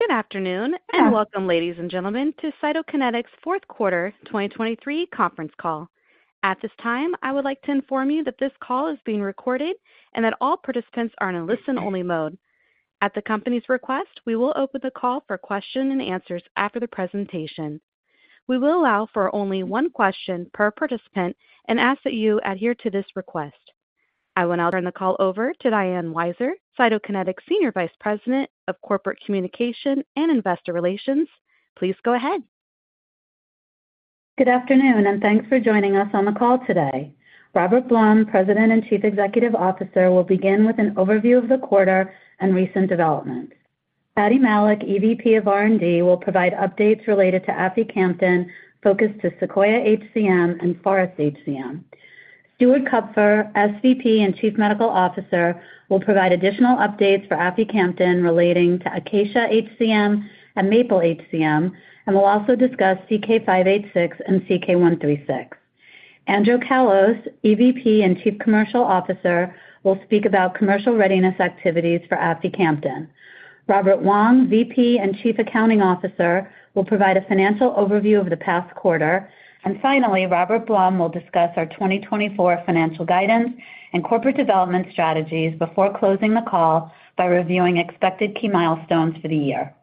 Good afternoon and welcome, ladies and gentlemen, to Cytokinetics' fourth quarter 2023 conference call. At this time, I would like to inform you that this call is being recorded and that all participants are in a listen-only mode. At the company's request, we will open the call for questions and answers after the presentation. We will allow for only one question per participant and ask that you adhere to this request. I will now turn the call over to Diane Weiser, Cytokinetics Senior Vice President of Corporate Communications and Investor Relations. Please go ahead. Good afternoon, and thanks for joining us on the call today. Robert Blum, President and Chief Executive Officer, will begin with an overview of the quarter and recent developments. Fady Malik, EVP of R&D, will provide updates related to aficamten focused to SEQUOIA-HCM and FOREST-HCM. Stuart Kupfer, SVP and Chief Medical Officer, will provide additional updates for aficamten relating to ACACIA-HCM and MAPLE-HCM, and will also discuss CK-586 and CK-136. Andrew Callos, EVP and Chief Commercial Officer, will speak about commercial readiness activities for aficamten. Robert Wong, VP and Chief Accounting Officer, will provide a financial overview of the past quarter. Finally, Robert Blum will discuss our 2024 financial guidance and corporate development strategies before closing the call by reviewing expected key milestones for the year.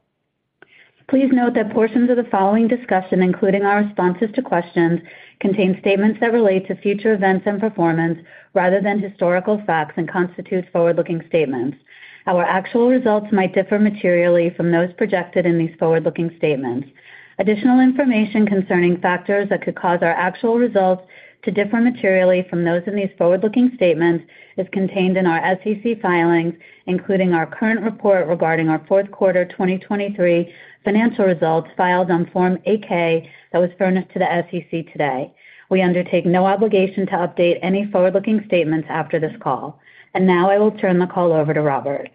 Please note that portions of the following discussion, including our responses to questions, contain statements that relate to future events and performance rather than historical facts and constitute forward-looking statements. Our actual results might differ materially from those projected in these forward-looking statements. Additional information concerning factors that could cause our actual results to differ materially from those in these forward-looking statements is contained in our SEC filings, including our current report regarding our fourth quarter 2023 financial results filed on Form 8-K that was furnished to the SEC today. We undertake no obligation to update any forward-looking statements after this call. Now I will turn the call over to Robert.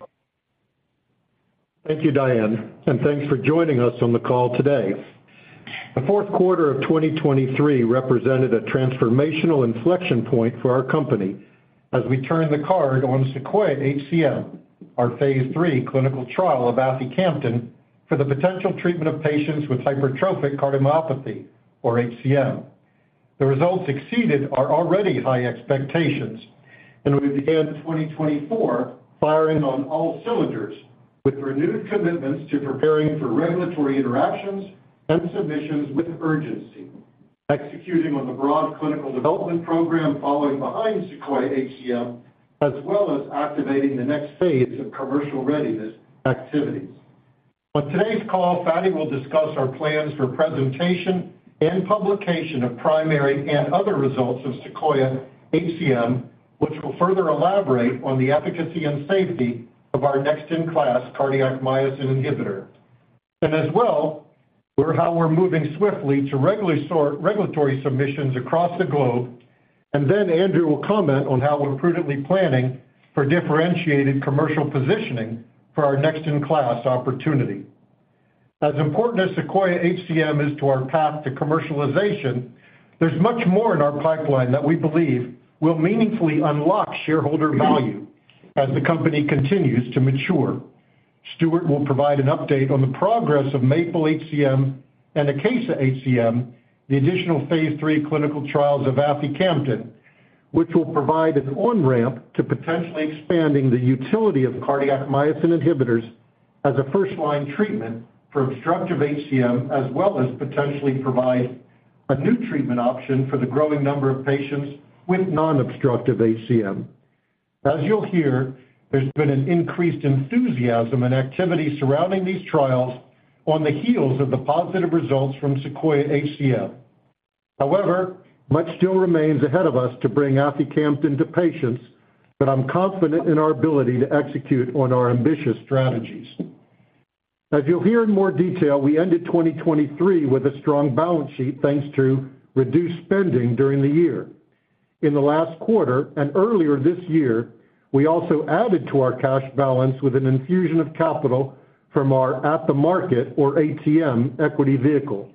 Thank you, Diane, and thanks for joining us on the call today. The fourth quarter of 2023 represented a transformational inflection point for our company as we turned the card on SEQUOIA-HCM, our phase III clinical trial of aficamten for the potential treatment of patients with hypertrophic cardiomyopathy, or HCM. The results exceeded our already high expectations, and we began 2024 firing on all cylinders with renewed commitments to preparing for regulatory interactions and submissions with urgency, executing on the broad clinical development program following behind SEQUOIA-HCM, as well as activating the next phase of commercial readiness activities. On today's call, Fady will discuss our plans for presentation and publication of primary and other results of SEQUOIA-HCM, which will further elaborate on the efficacy and safety of our next-in-class cardiac myosin inhibitor. And as well, how we're moving swiftly to regulatory submissions across the globe, and then Andrew will comment on how we're prudently planning for differentiated commercial positioning for our next-in-class opportunity. As important as SEQUOIA-HCM is to our path to commercialization, there's much more in our pipeline that we believe will meaningfully unlock shareholder value as the company continues to mature. Stuart will provide an update on the progress of MAPLE-HCM and ACACIA-HCM, the additional phase III clinical trials of aficamten, which will provide an on-ramp to potentially expanding the utility of cardiac myosin inhibitors as a first-line treatment for obstructive HCM, as well as potentially provide a new treatment option for the growing number of patients with non-obstructive HCM. As you'll hear, there's been an increased enthusiasm and activity surrounding these trials on the heels of the positive results from SEQUOIA-HCM. However, much still remains ahead of us to bring aficamten to patients, but I'm confident in our ability to execute on our ambitious strategies. As you'll hear in more detail, we ended 2023 with a strong balance sheet thanks to reduced spending during the year. In the last quarter and earlier this year, we also added to our cash balance with an infusion of capital from our at-the-market, or ATM, equity vehicle.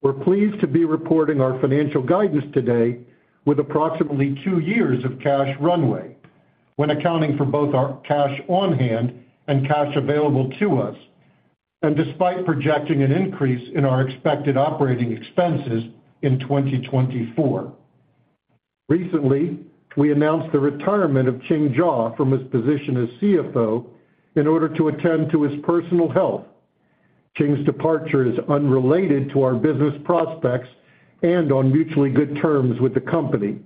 We're pleased to be reporting our financial guidance today with approximately two years of cash runway when accounting for both our cash on hand and cash available to us, and despite projecting an increase in our expected operating expenses in 2024. Recently, we announced the retirement of Ching Jaw from his position as CFO in order to attend to his personal health. Ching's departure is unrelated to our business prospects and on mutually good terms with the company.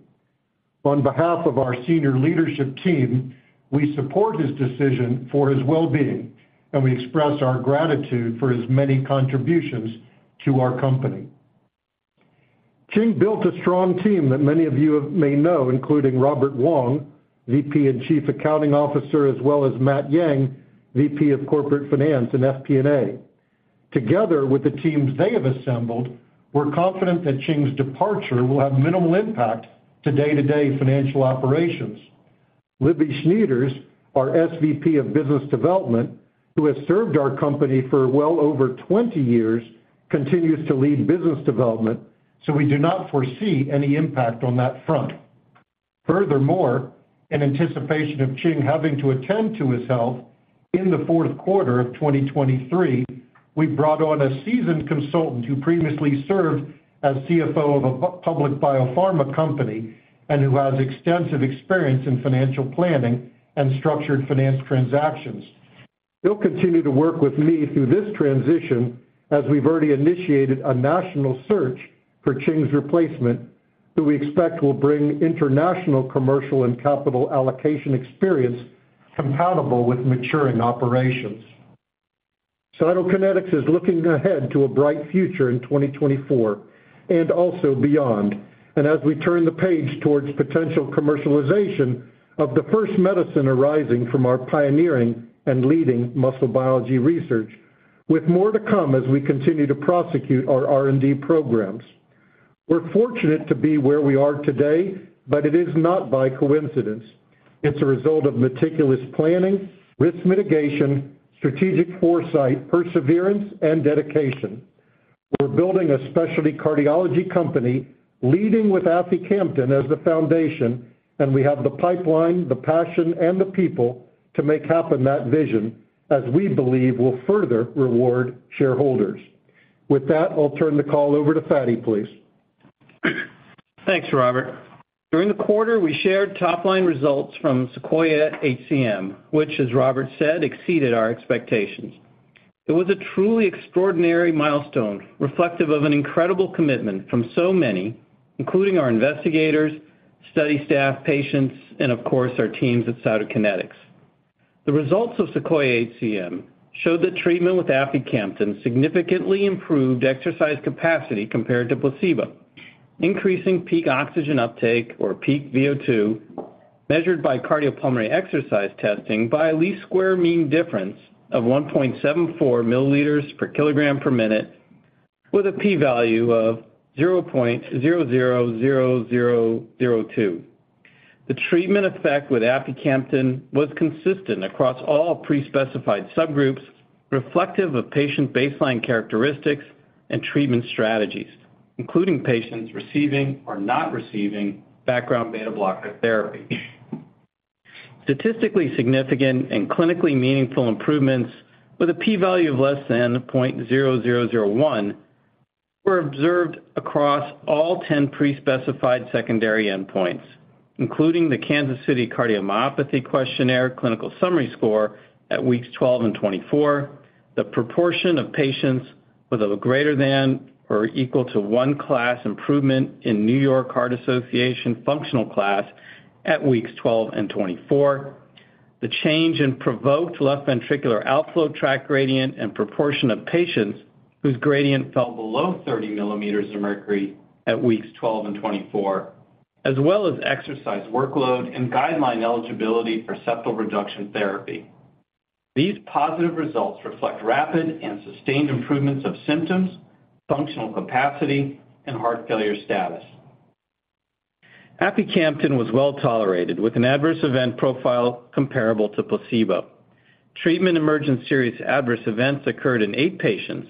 On behalf of our senior leadership team, we support his decision for his well-being, and we express our gratitude for his many contributions to our company. Ching built a strong team that many of you may know, including Robert Wong, VP and Chief Accounting Officer, as well as Matt Yang, VP of Corporate Finance and FP&A. Together with the teams they have assembled, we're confident that Ching's departure will have minimal impact to day-to-day financial operations. Libby Schnieders, our SVP of Business Development, who has served our company for well over 20 years, continues to lead business development, so we do not foresee any impact on that front. Furthermore, in anticipation of Ching having to attend to his health in the fourth quarter of 2023, we brought on a seasoned consultant who previously served as CFO of a public biopharma company and who has extensive experience in financial planning and structured finance transactions. He'll continue to work with me through this transition as we've already initiated a national search for Ching's replacement, who we expect will bring international commercial and capital allocation experience compatible with maturing operations. Cytokinetics is looking ahead to a bright future in 2024 and also beyond, and as we turn the page towards potential commercialization of the first medicine arising from our pioneering and leading muscle biology research, with more to come as we continue to prosecute our R&D programs. We're fortunate to be where we are today, but it is not by coincidence. It's a result of meticulous planning, risk mitigation, strategic foresight, perseverance, and dedication. We're building a specialty cardiology company leading with aficamten as the foundation, and we have the pipeline, the passion, and the people to make happen that vision as we believe will further reward shareholders. With that, I'll turn the call over to Fady, please. Thanks, Robert. During the quarter, we shared top-line results from SEQUOIA-HCM, which, as Robert said, exceeded our expectations. It was a truly extraordinary milestone, reflective of an incredible commitment from so many, including our investigators, study staff, patients, and of course, our teams at Cytokinetics. The results of SEQUOIA-HCM showed that treatment with aficamten significantly improved exercise capacity compared to placebo, increasing peak oxygen uptake, or peak VO2, measured by cardiopulmonary exercise testing by a least square mean difference of 1.74 mL per kg per minute, with a p-value of 0.000002. The treatment effect with aficamten was consistent across all prespecified subgroups, reflective of patient baseline characteristics and treatment strategies, including patients receiving or not receiving background beta-blocker therapy. Statistically significant and clinically meaningful improvements, with a p-value of less than 0.0001, were observed across all 10 prespecified secondary endpoints, including the Kansas City Cardiomyopathy Questionnaire clinical summary score at weeks 12 and 24, the proportion of patients with a greater than or equal to one-class improvement in New York Heart Association functional class at weeks 12 and 24, the change in provoked left ventricular outflow tract gradient and proportion of patients whose gradient fell below 30 mL of mercury at weeks 12 and 24, as well as exercise workload and guideline eligibility for septal reduction therapy. These positive results reflect rapid and sustained improvements of symptoms, functional capacity, and heart failure status. Aficamten was well tolerated, with an adverse event profile comparable to placebo. Treatment emergent serious adverse events occurred in eight patients,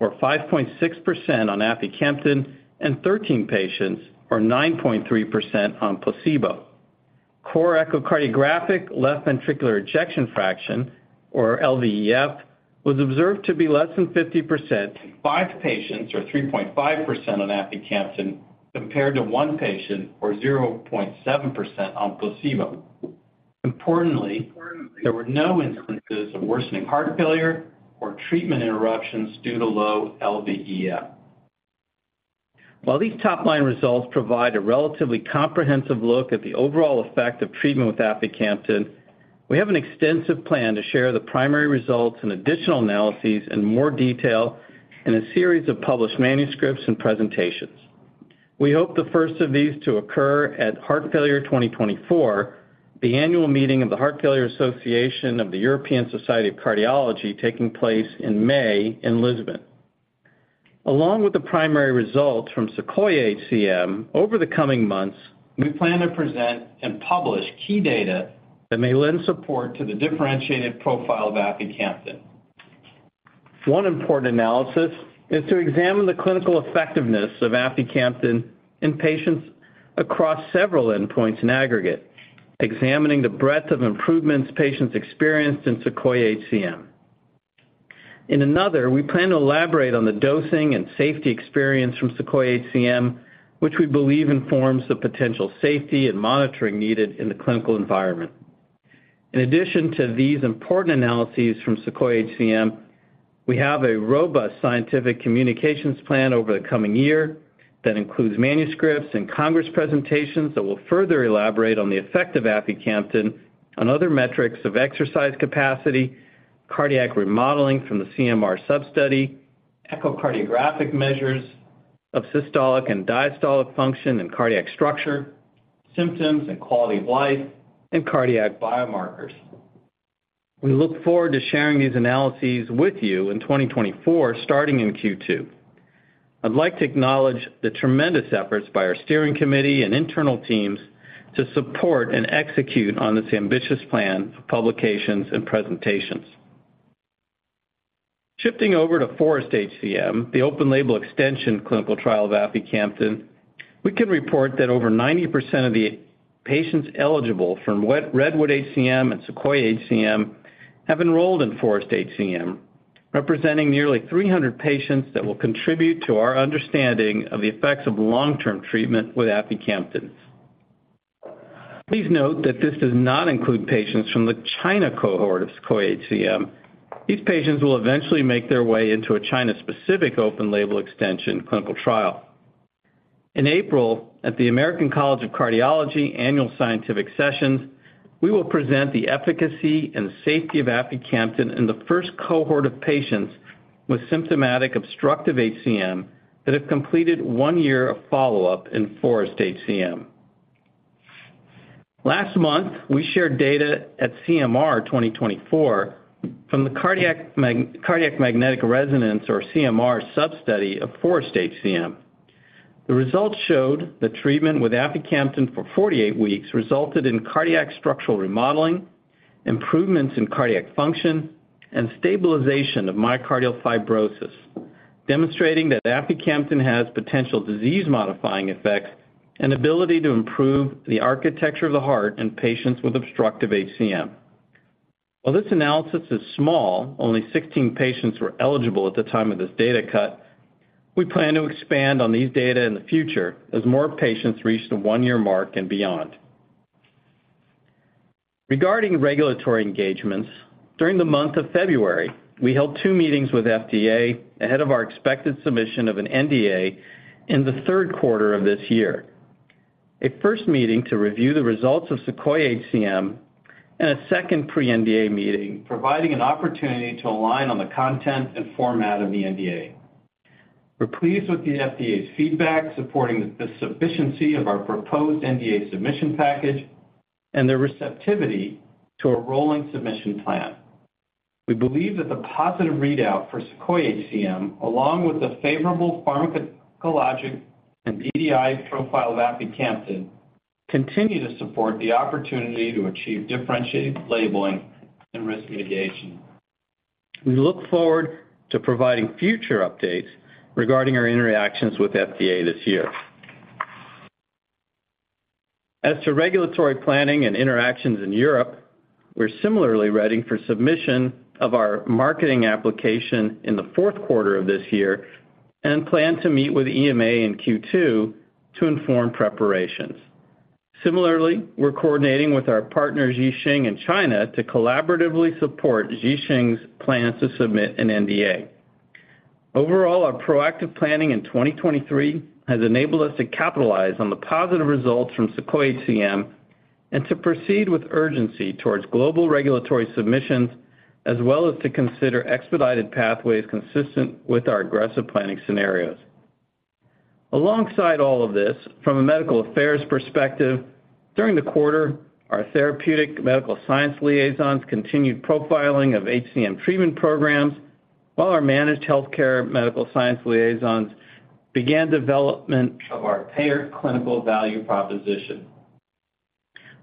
or 5.6% on aficamten, and 13 patients, or 9.3% on placebo. Core echocardiographic left ventricular ejection fraction, or LVEF, was observed to be less than 50% in five patients, or 3.5% on aficamten, compared to one patient, or 0.7% on placebo. Importantly, there were no instances of worsening heart failure or treatment interruptions due to low LVEF. While these top-line results provide a relatively comprehensive look at the overall effect of treatment with aficamten, we have an extensive plan to share the primary results and additional analyses in more detail in a series of published manuscripts and presentations. We hope the first of these to occur at Heart Failure 2024, the annual meeting of the Heart Failure Association of the European Society of Cardiology taking place in May in Lisbon. Along with the primary results from SEQUOIA-HCM over the coming months, we plan to present and publish key data that may lend support to the differentiated profile of aficamten. One important analysis is to examine the clinical effectiveness of aficamten in patients across several endpoints in aggregate, examining the breadth of improvements patients experienced in SEQUOIA-HCM. In another, we plan to elaborate on the dosing and safety experience from SEQUOIA-HCM, which we believe informs the potential safety and monitoring needed in the clinical environment. In addition to these important analyses from SEQUOIA-HCM, we have a robust scientific communications plan over the coming year that includes manuscripts and congress presentations that will further elaborate on the effect of Aficamten on other metrics of exercise capacity, cardiac remodeling from the CMR substudy, echocardiographic measures of systolic and diastolic function and cardiac structure, symptoms and quality of life, and cardiac biomarkers. We look forward to sharing these analyses with you in 2024, starting in Q2. I'd like to acknowledge the tremendous efforts by our steering committee and internal teams to support and execute on this ambitious plan of publications and presentations. Shifting over to FOREST-HCM, the open-label extension clinical trial of aficamten, we can report that over 90% of the patients eligible from REDWOOD-HCM and SEQUOIA-HCM have enrolled in FOREST-HCM, representing nearly 300 patients that will contribute to our understanding of the effects of long-term treatment with aficamten. Please note that this does not include patients from the China cohort of SEQUOIA-HCM. These patients will eventually make their way into a China-specific open-label extension clinical trial. In April, at the American College of Cardiology annual scientific sessions, we will present the efficacy and safety of aficamten in the first cohort of patients with symptomatic obstructive HCM that have completed one year of follow-up in FOREST-HCM. Last month, we shared data at CMR 2024 from the cardiac magnetic resonance, or CMR, substudy of FOREST-HCM. The results showed that treatment with aficamten for 48 weeks resulted in cardiac structural remodeling, improvements in cardiac function, and stabilization of myocardial fibrosis, demonstrating that aficamten has potential disease-modifying effects and ability to improve the architecture of the heart in patients with obstructive HCM. While this analysis is small, only 16 patients were eligible at the time of this data cut. We plan to expand on these data in the future as more patients reach the one-year mark and beyond. Regarding regulatory engagements, during the month of February, we held two meetings with the FDA ahead of our expected submission of an NDA in the third quarter of this year. A first meeting to review the results of SEQUOIA-HCM and a second pre-NDA meeting providing an opportunity to align on the content and format of the NDA. We're pleased with the FDA's feedback supporting the sufficiency of our proposed NDA submission package and their receptivity to a rolling submission plan. We believe that the positive readout for SEQUOIA-HCM, along with the favorable pharmacologic and DDI profile of aficamten, continue to support the opportunity to achieve differentiated labeling and risk mitigation. We look forward to providing future updates regarding our interactions with the FDA this year. As to regulatory planning and interactions in Europe, we're similarly ready for submission of our marketing application in the fourth quarter of this year and plan to meet with EMA in Q2 to inform preparations. Similarly, we're coordinating with our partners, Ji Xing, in China to collaboratively support Ji Xing's plan to submit an NDA. Overall, our proactive planning in 2023 has enabled us to capitalize on the positive results from SEQUOIA-HCM and to proceed with urgency towards global regulatory submissions, as well as to consider expedited pathways consistent with our aggressive planning scenarios. Alongside all of this, from a medical affairs perspective, during the quarter, our therapeutic medical science liaisons continued profiling of HCM treatment programs, while our managed healthcare medical science liaisons began development of our paired clinical value proposition.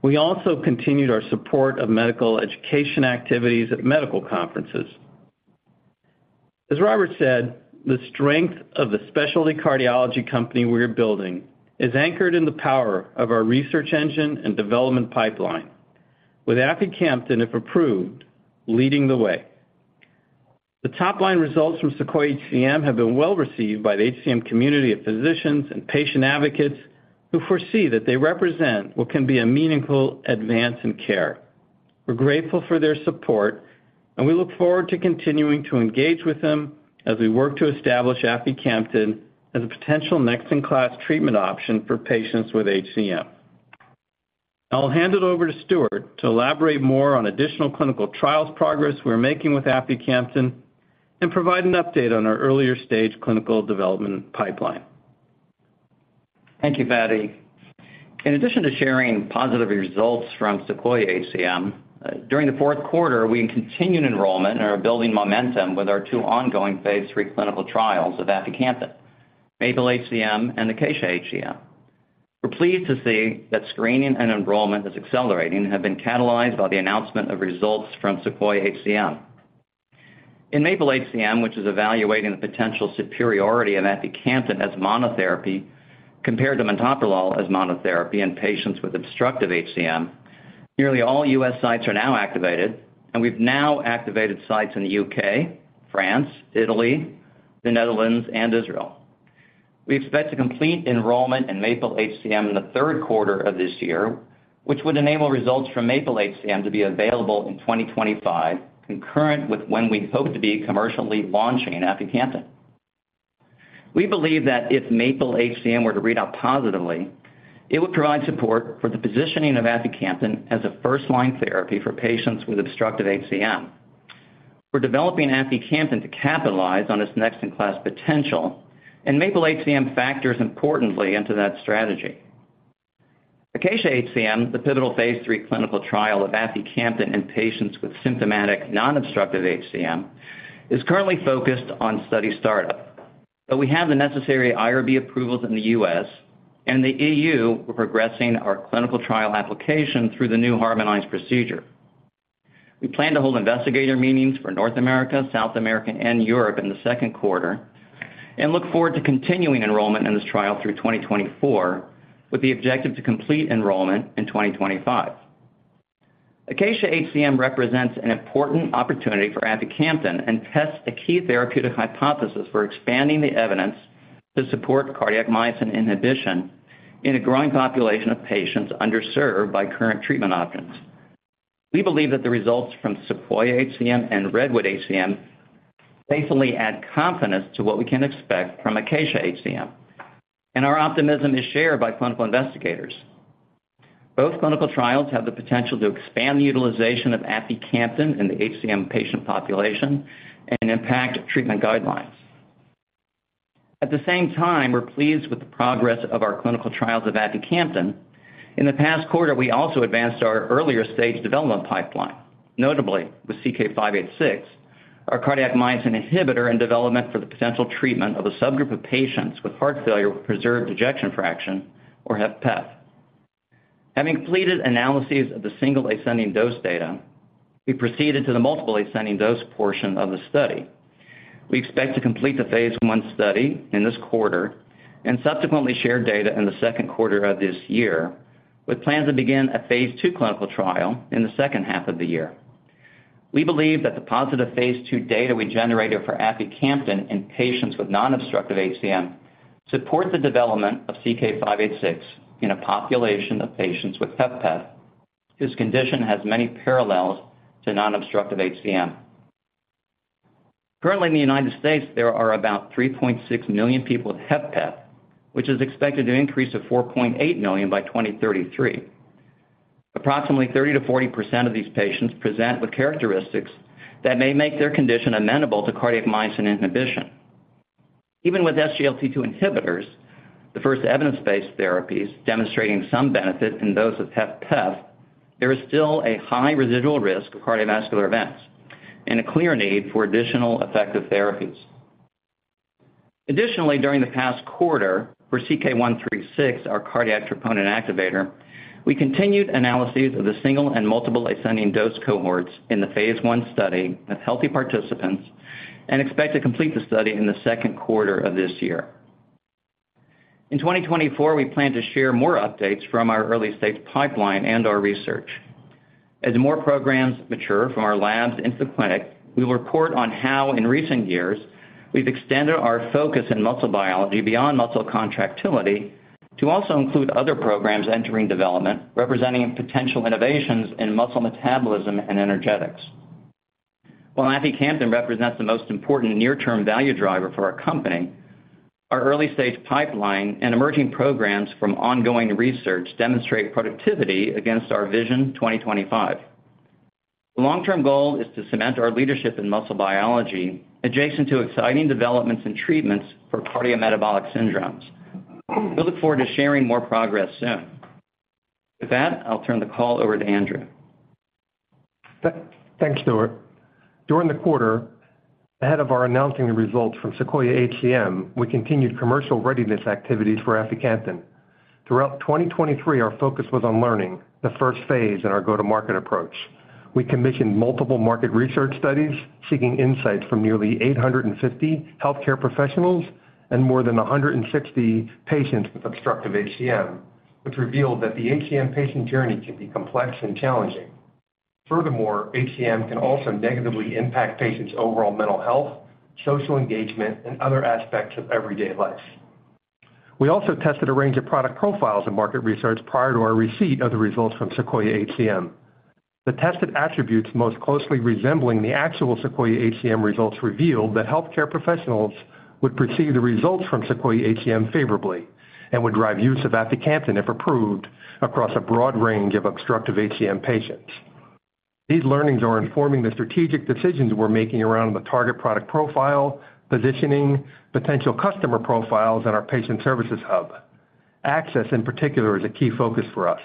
We also continued our support of medical education activities at medical conferences. As Robert said, the strength of the specialty cardiology company we're building is anchored in the power of our research engine and development pipeline, with aficamten, if approved, leading the way. The top-line results from SEQUOIA-HCM have been well received by the HCM community of physicians and patient advocates who foresee that they represent what can be a meaningful advance in care. We're grateful for their support, and we look forward to continuing to engage with them as we work to establish aficamten as a potential next-in-class treatment option for patients with HCM. I'll hand it over to Stuart to elaborate more on additional clinical trials progress we're making with aficamten and provide an update on our earlier-stage clinical development pipeline. Thank you, Fady. In addition to sharing positive results from SEQUOIA-HCM, during the fourth quarter, we continue enrollment and are building momentum with our two ongoing phase III clinical trials of aficamten, MAPLE-HCM, and ACACIA-HCM. We're pleased to see that screening and enrollment is accelerating and have been catalyzed by the announcement of results from SEQUOIA-HCM. In MAPLE-HCM, which is evaluating the potential superiority of aficamten as monotherapy compared to metoprolol as monotherapy in patients with obstructive HCM, nearly all U.S. sites are now activated, and we've now activated sites in the U.K., France, Italy, the Netherlands, and Israel. We expect to complete enrollment in MAPLE-HCM in the third quarter of this year, which would enable results from MAPLE-HCM to be available in 2025, concurrent with when we hope to be commercially launching aficamten. We believe that if MAPLE-HCM were to readout positively, it would provide support for the positioning of aficamten as a first-line therapy for patients with obstructive HCM. We're developing aficamten to capitalize on its next-in-class potential, and MAPLE-HCM factors importantly into that strategy. ACACIA-HCM, the pivotal phase III clinical trial of aficamten in patients with symptomatic non-obstructive HCM, is currently focused on study startup, but we have the necessary IRB approvals in the U.S., and in the E.U., we're progressing our clinical trial application through the new harmonized procedure. We plan to hold investigator meetings for North America, South America, and Europe in the second quarter and look forward to continuing enrollment in this trial through 2024, with the objective to complete enrollment in 2025. ACACIA-HCM represents an important opportunity for aficamten and tests a key therapeutic hypothesis for expanding the evidence to support cardiac myosin inhibition in a growing population of patients underserved by current treatment options. We believe that the results from SEQUOIA-HCM and REDWOOD-HCM faithfully add confidence to what we can expect from ACACIA-HCM, and our optimism is shared by clinical investigators. Both clinical trials have the potential to expand the utilization of aficamten in the HCM patient population and impact treatment guidelines. At the same time, we're pleased with the progress of our clinical trials of aficamten. In the past quarter, we also advanced our earlier-stage development pipeline, notably with CK-586, our cardiac myosin inhibitor in development for the potential treatment of a subgroup of patients with heart failure with preserved ejection fraction, or HFpEF. Having completed analyses of the single ascending dose data, we proceeded to the multiple ascending dose portion of the study. We expect to complete the phase I study in this quarter and subsequently share data in the second quarter of this year, with plans to begin a phase II clinical trial in the second half of the year. We believe that the positive phase II data we generated for aficamten in patients with non-obstructive HCM supports the development of CK-586 in a population of patients with HFpEF, whose condition has many parallels to non-obstructive HCM. Currently, in the United States, there are about 3.6 million people with HFpEF, which is expected to increase to 4.8 million by 2033. Approximately 30%-40% of these patients present with characteristics that may make their condition amenable to cardiac myosin inhibition. Even with SGLT2 inhibitors, the first evidence-based therapies demonstrating some benefit in those with HFpEF, there is still a high residual risk of cardiovascular events and a clear need for additional effective therapies. Additionally, during the past quarter for CK-136, our cardiac troponin activator, we continued analyses of the single and multiple ascending dose cohorts in the phase I study with healthy participants and expect to complete the study in the second quarter of this year. In 2024, we plan to share more updates from our early-stage pipeline and our research. As more programs mature from our labs into the clinic, we will report on how, in recent years, we've extended our focus in muscle biology beyond muscle contractility to also include other programs entering development representing potential innovations in muscle metabolism and energetics. While aficamten represents the most important near-term value driver for our company, our early-stage pipeline and emerging programs from ongoing research demonstrate productivity against our Vision 2025. The long-term goal is to cement our leadership in muscle biology adjacent to exciting developments and treatments for cardiometabolic syndromes. We look forward to sharing more progress soon. With that, I'll turn the call over to Andrew. Thanks, Stuart. During the quarter, ahead of our announcing the results from SEQUOIA-HCM, we continued commercial readiness activities for aficamten. Throughout 2023, our focus was on learning, the first phase in our go-to-market approach. We commissioned multiple market research studies seeking insights from nearly 850 healthcare professionals and more than 160 patients with obstructive HCM, which revealed that the HCM patient journey can be complex and challenging. Furthermore, HCM can also negatively impact patients' overall mental health, social engagement, and other aspects of everyday life. We also tested a range of product profiles in market research prior to our receipt of the results from SEQUOIA-HCM. The tested attributes most closely resembling the actual SEQUOIA-HCM results revealed that healthcare professionals would perceive the results from SEQUOIA-HCM favorably and would drive use of aficamten, if approved, across a broad range of obstructive HCM patients. These learnings are informing the strategic decisions we're making around the target product profile, positioning, potential customer profiles, and our patient services hub. Access, in particular, is a key focus for us.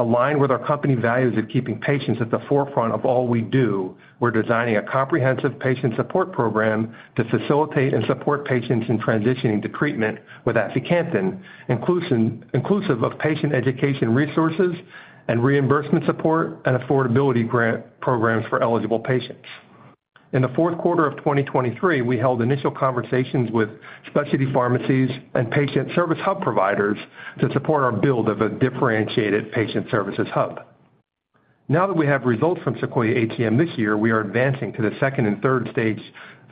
Aligned with our company values of keeping patients at the forefront of all we do, we're designing a comprehensive patient support program to facilitate and support patients in transitioning to treatment with aficamten, inclusive of patient education resources and reimbursement support and affordability grant programs for eligible patients. In the fourth quarter of 2023, we held initial conversations with specialty pharmacies and patient service hub providers to support our build of a differentiated patient services hub. Now that we have results from SEQUOIA-HCM this year, we are advancing to the second and third stage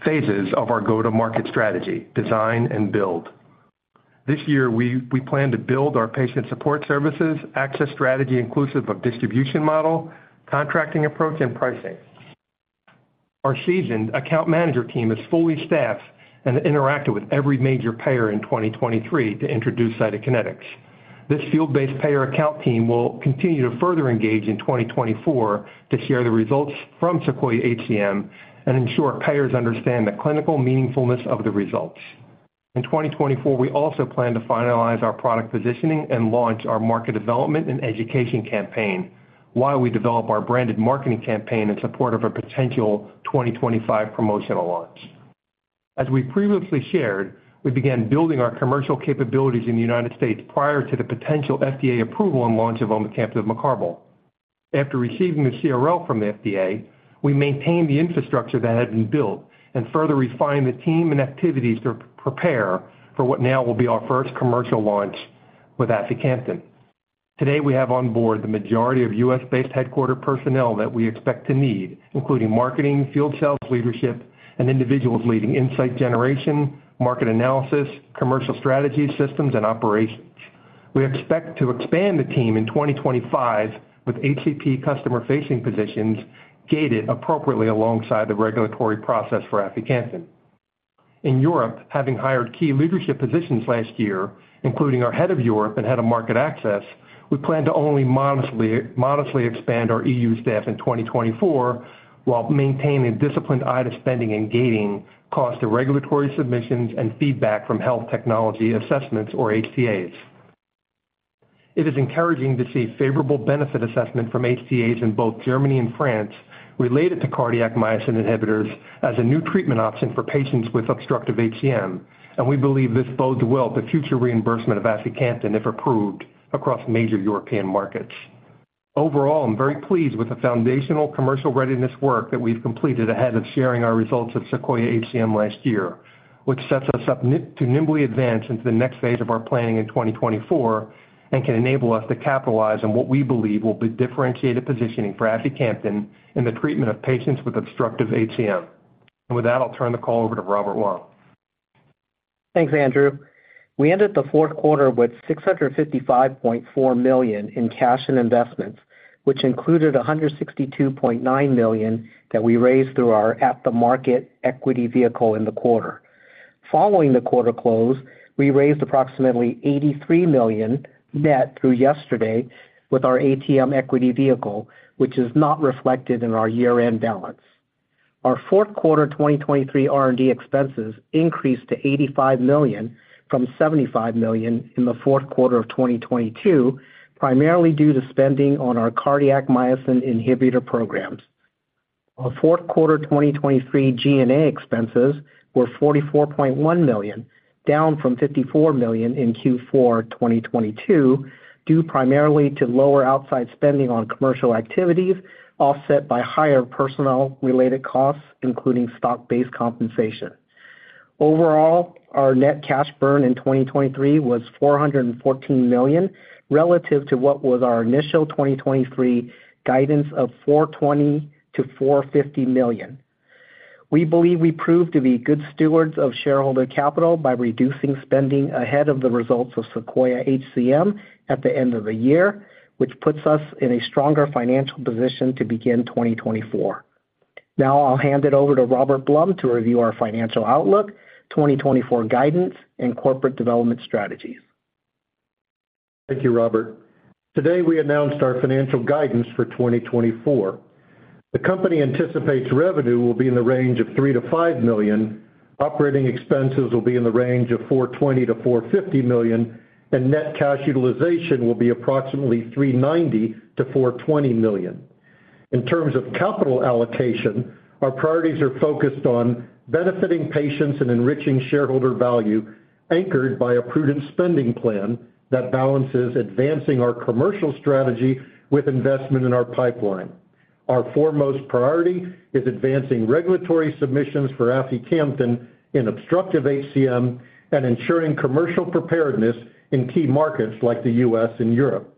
phases of our go-to-market strategy, design and build. This year, we plan to build our patient support services, access strategy inclusive of distribution model, contracting approach, and pricing. Our seasoned account manager team is fully staffed and interacted with every major payer in 2023 to introduce Cytokinetics. This field-based payer account team will continue to further engage in 2024 to share the results from SEQUOIA-HCM and ensure payers understand the clinical meaningfulness of the results. In 2024, we also plan to finalize our product positioning and launch our market development and education campaign while we develop our branded marketing campaign in support of a potential 2025 promotional launch. As we previously shared, we began building our commercial capabilities in the United States prior to the potential FDA approval and launch of omecamtiv mecarbil. After receiving the CRL from the FDA, we maintained the infrastructure that had been built and further refined the team and activities to prepare for what now will be our first commercial launch with aficamten. Today, we have on board the majority of U.S.-based headquarters personnel that we expect to need, including marketing, field sales leadership, and individuals leading insight generation, market analysis, commercial strategy, systems, and operations. We expect to expand the team in 2025 with HCP customer-facing positions gated appropriately alongside the regulatory process for aficamten. In Europe, having hired key leadership positions last year, including our head of Europe and head of market access, we plan to only modestly expand our E.U. staff in 2024 while maintaining disciplined IDA spending and gating costs to regulatory submissions and feedback from health technology assessments, or HTAs. It is encouraging to see favorable benefit assessment from HTAs in both Germany and France related to cardiac myosin inhibitors as a new treatment option for patients with obstructive HCM, and we believe this bodes well for future reimbursement of aficamten, if approved, across major European markets. Overall, I'm very pleased with the foundational commercial readiness work that we've completed ahead of sharing our results of SEQUOIA-HCM last year, which sets us up to nimbly advance into the next phase of our planning in 2024 and can enable us to capitalize on what we believe will be differentiated positioning for aficamten in the treatment of patients with obstructive HCM. With that, I'll turn the call over to Robert Wong. Thanks, Andrew. We ended the fourth quarter with $655.4 million in cash and investments, which included $162.9 million that we raised through our at-the-market equity vehicle in the quarter. Following the quarter close, we raised approximately $83 million net through yesterday with our ATM equity vehicle, which is not reflected in our year-end balance. Our fourth quarter 2023 R&D expenses increased to $85 million from $75 million in the fourth quarter of 2022, primarily due to spending on our cardiac myosin inhibitor programs. Our fourth quarter 2023 G&A expenses were $44.1 million, down from $54 million in Q4 2022, due primarily to lower outside spending on commercial activities offset by higher personnel-related costs, including stock-based compensation. Overall, our net cash burn in 2023 was $414 million relative to what was our initial 2023 guidance of $420 million-$450 million. We believe we proved to be good stewards of shareholder capital by reducing spending ahead of the results of SEQUOIA-HCM at the end of the year, which puts us in a stronger financial position to begin 2024. Now, I'll hand it over to Robert Blum to review our financial outlook, 2024 guidance, and corporate development strategies. Thank you, Robert. Today, we announced our financial guidance for 2024. The company anticipates revenue will be in the range of $3 million-$5 million. Operating expenses will be in the range of $420 million-$450 million, and net cash utilization will be approximately $390 million-$420 million. In terms of capital allocation, our priorities are focused on benefiting patients and enriching shareholder value anchored by a prudent spending plan that balances advancing our commercial strategy with investment in our pipeline. Our foremost priority is advancing regulatory submissions for aficamten in obstructive HCM and ensuring commercial preparedness in key markets like the U.S. and Europe.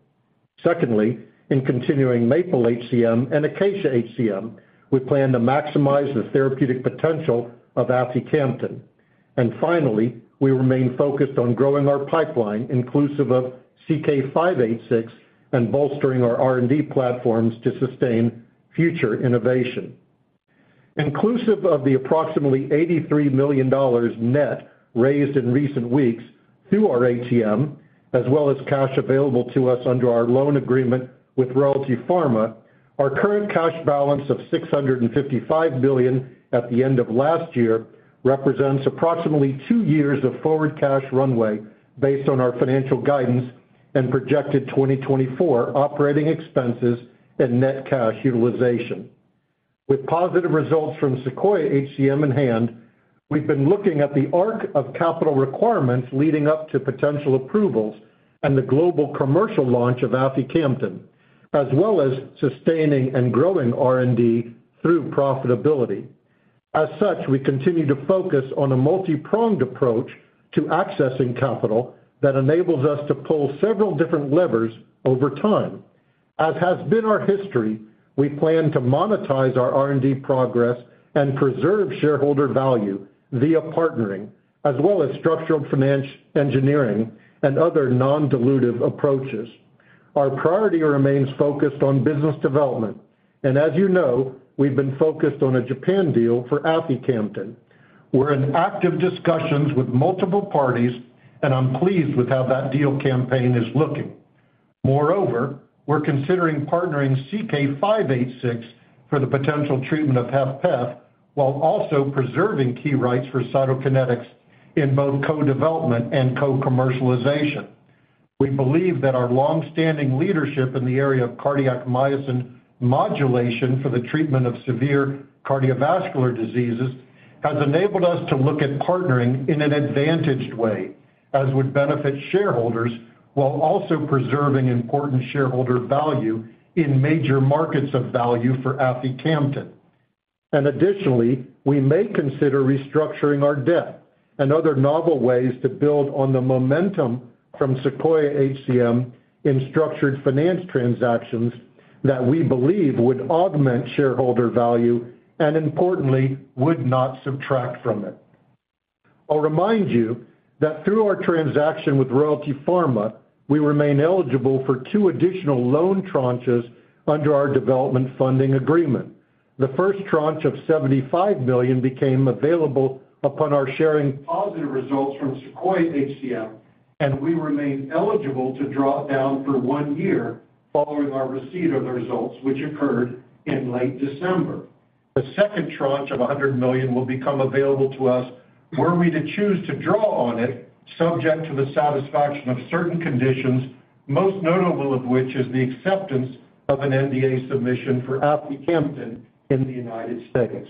Secondly, in continuing MAPLE-HCM and ACACIA-HCM, we plan to maximize the therapeutic potential of aficamten. And finally, we remain focused on growing our pipeline inclusive of CK-586 and bolstering our R&D platforms to sustain future innovation. Inclusive of the approximately $83 million net raised in recent weeks through our ATM, as well as cash available to us under our loan agreement with Royalty Pharma, our current cash balance of $655 million at the end of last year represents approximately two years of forward cash runway based on our financial guidance and projected 2024 operating expenses and net cash utilization. With positive results from SEQUOIA-HCM in hand, we've been looking at the arc of capital requirements leading up to potential approvals and the global commercial launch of aficamten, as well as sustaining and growing R&D through profitability. As such, we continue to focus on a multi-pronged approach to accessing capital that enables us to pull several different levers over time. As has been our history, we plan to monetize our R&D progress and preserve shareholder value via partnering, as well as structural financial engineering and other non-dilutive approaches. Our priority remains focused on business development, and as you know, we've been focused on a Japan deal for aficamten. We're in active discussions with multiple parties, and I'm pleased with how that deal campaign is looking. Moreover, we're considering partnering CK-586 for the potential treatment of HFpEF while also preserving key rights for Cytokinetics in both co-development and co-commercialization. We believe that our longstanding leadership in the area of cardiac myosin modulation for the treatment of severe cardiovascular diseases has enabled us to look at partnering in an advantaged way as would benefit shareholders while also preserving important shareholder value in major markets of value for aficamten. Additionally, we may consider restructuring our debt and other novel ways to build on the momentum from SEQUOIA-HCM in structured finance transactions that we believe would augment shareholder value and, importantly, would not subtract from it. I'll remind you that through our transaction with Royalty Pharma, we remain eligible for two additional loan tranches under our development funding agreement. The first tranche of $75 million became available upon our sharing positive results from SEQUOIA-HCM, and we remain eligible to draw it down for one year following our receipt of the results, which occurred in late December. The second tranche of $100 million will become available to us were we to choose to draw on it, subject to the satisfaction of certain conditions, most notable of which is the acceptance of an NDA submission for aficamten in the United States.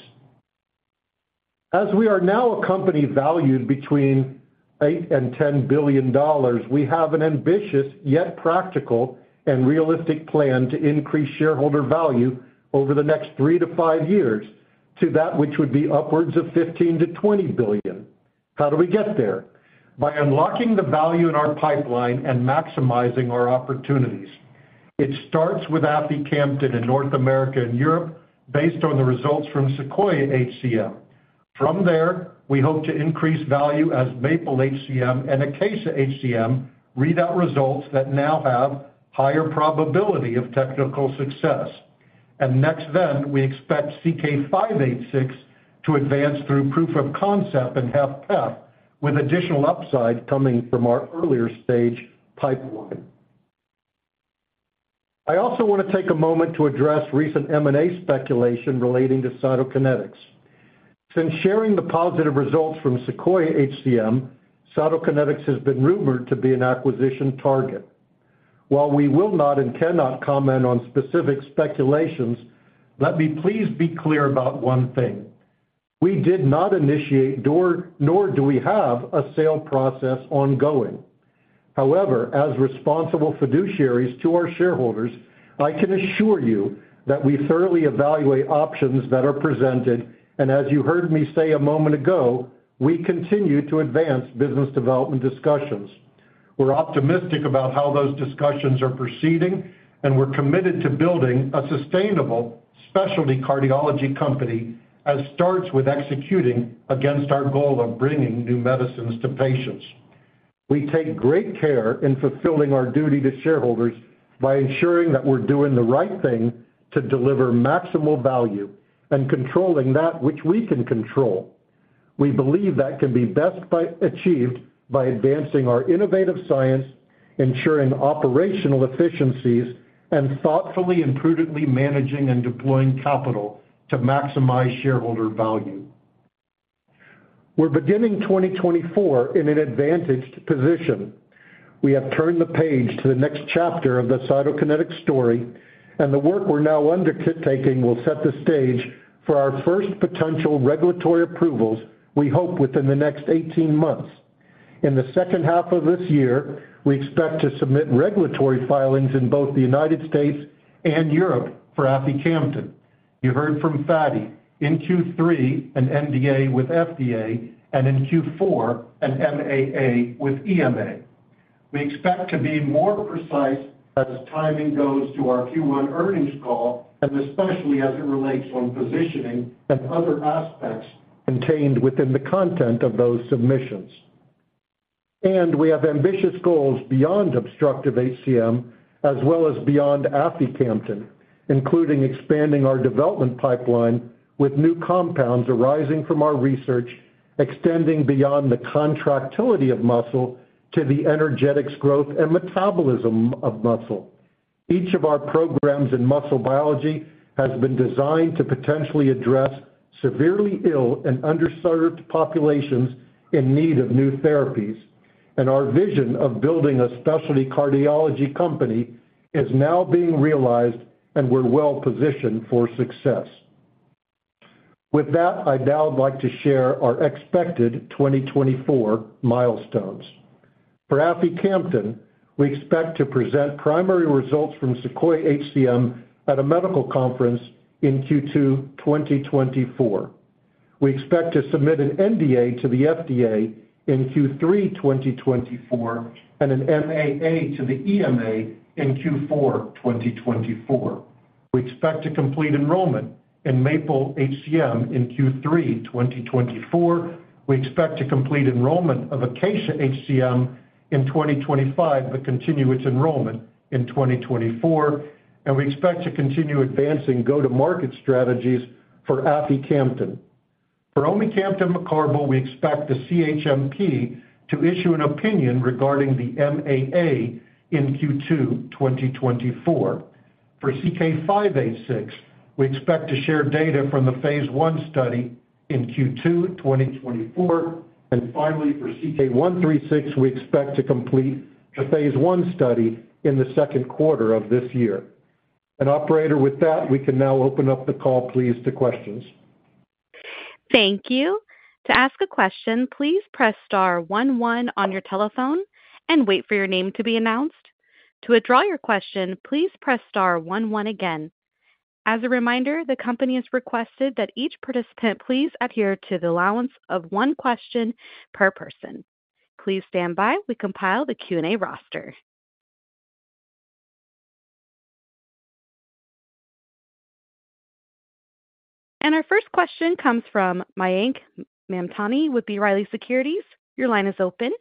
As we are now a company valued between $8 billion and $10 billion, we have an ambitious yet practical and realistic plan to increase shareholder value over the next 3 to 5 years to that which would be upwards of $15 billion-$20 billion. How do we get there? By unlocking the value in our pipeline and maximizing our opportunities. It starts with aficamten in North America and Europe based on the results from SEQUOIA-HCM. From there, we hope to increase value as MAPLE-HCM and ACACIA-HCM read out results that now have higher probability of technical success. And next then, we expect CK-586 to advance through proof of concept and HFpEF with additional upside coming from our earlier stage pipeline. I also want to take a moment to address recent M&A speculation relating to Cytokinetics. Since sharing the positive results from SEQUOIA-HCM, Cytokinetics has been rumored to be an acquisition target. While we will not and cannot comment on specific speculations, let me please be clear about one thing. We did not initiate, nor do we have, a sale process ongoing. However, as responsible fiduciaries to our shareholders, I can assure you that we thoroughly evaluate options that are presented, and as you heard me say a moment ago, we continue to advance business development discussions. We're optimistic about how those discussions are proceeding, and we're committed to building a sustainable specialty cardiology company that starts with executing against our goal of bringing new medicines to patients. We take great care in fulfilling our duty to shareholders by ensuring that we're doing the right thing to deliver maximal value and controlling that which we can control. We believe that can be best achieved by advancing our innovative science, ensuring operational efficiencies, and thoughtfully and prudently managing and deploying capital to maximize shareholder value. We're beginning 2024 in an advantaged position. We have turned the page to the next chapter of the Cytokinetics story, and the work we're now undertaking will set the stage for our first potential regulatory approvals, we hope, within the next 18 months. In the second half of this year, we expect to submit regulatory filings in both the United States and Europe for aficamten. You heard from Fady in Q3 an NDA with FDA and in Q4 an MAA with EMA. We expect to be more precise as timing goes to our Q1 earnings call, and especially as it relates on positioning and other aspects contained within the content of those submissions. And we have ambitious goals beyond obstructive HCM as well as beyond aficamten, including expanding our development pipeline with new compounds arising from our research, extending beyond the contractility of muscle to the energetics growth and metabolism of muscle. Each of our programs in muscle biology has been designed to potentially address severely ill and underserved populations in need of new therapies, and our vision of building a specialty cardiology company is now being realized, and we're well positioned for success. With that, I now would like to share our expected 2024 milestones. For aficamten, we expect to present primary results from SEQUOIA-HCM at a medical conference in Q2 2024. We expect to submit an NDA to the FDA in Q3 2024 and an MAA to the EMA in Q4 2024. We expect to complete enrollment in MAPLE-HCM in Q3 2024. We expect to complete enrollment of ACACIA-HCM in 2025 but continue its enrollment in 2024, and we expect to continue advancing go-to-market strategies for aficamten. For omecamtiv mecarbil, we expect the CHMP to issue an opinion regarding the MAA in Q2 2024. For CK-586, we expect to share data from the phase I study in Q2 2024, and finally, for CK-136, we expect to complete the phase I study in the second quarter of this year. Operator, with that, we can now open up the call, please, to questions. Thank you. To ask a question, please press star 11 on your telephone and wait for your name to be announced. To withdraw your question, please press star 11 again. As a reminder, the company has requested that each participant please adhere to the allowance of one question per person. Please stand by. We compile the Q&A roster. Our first question comes from Mayank Mamtani with B. Riley Securities. Your line is open.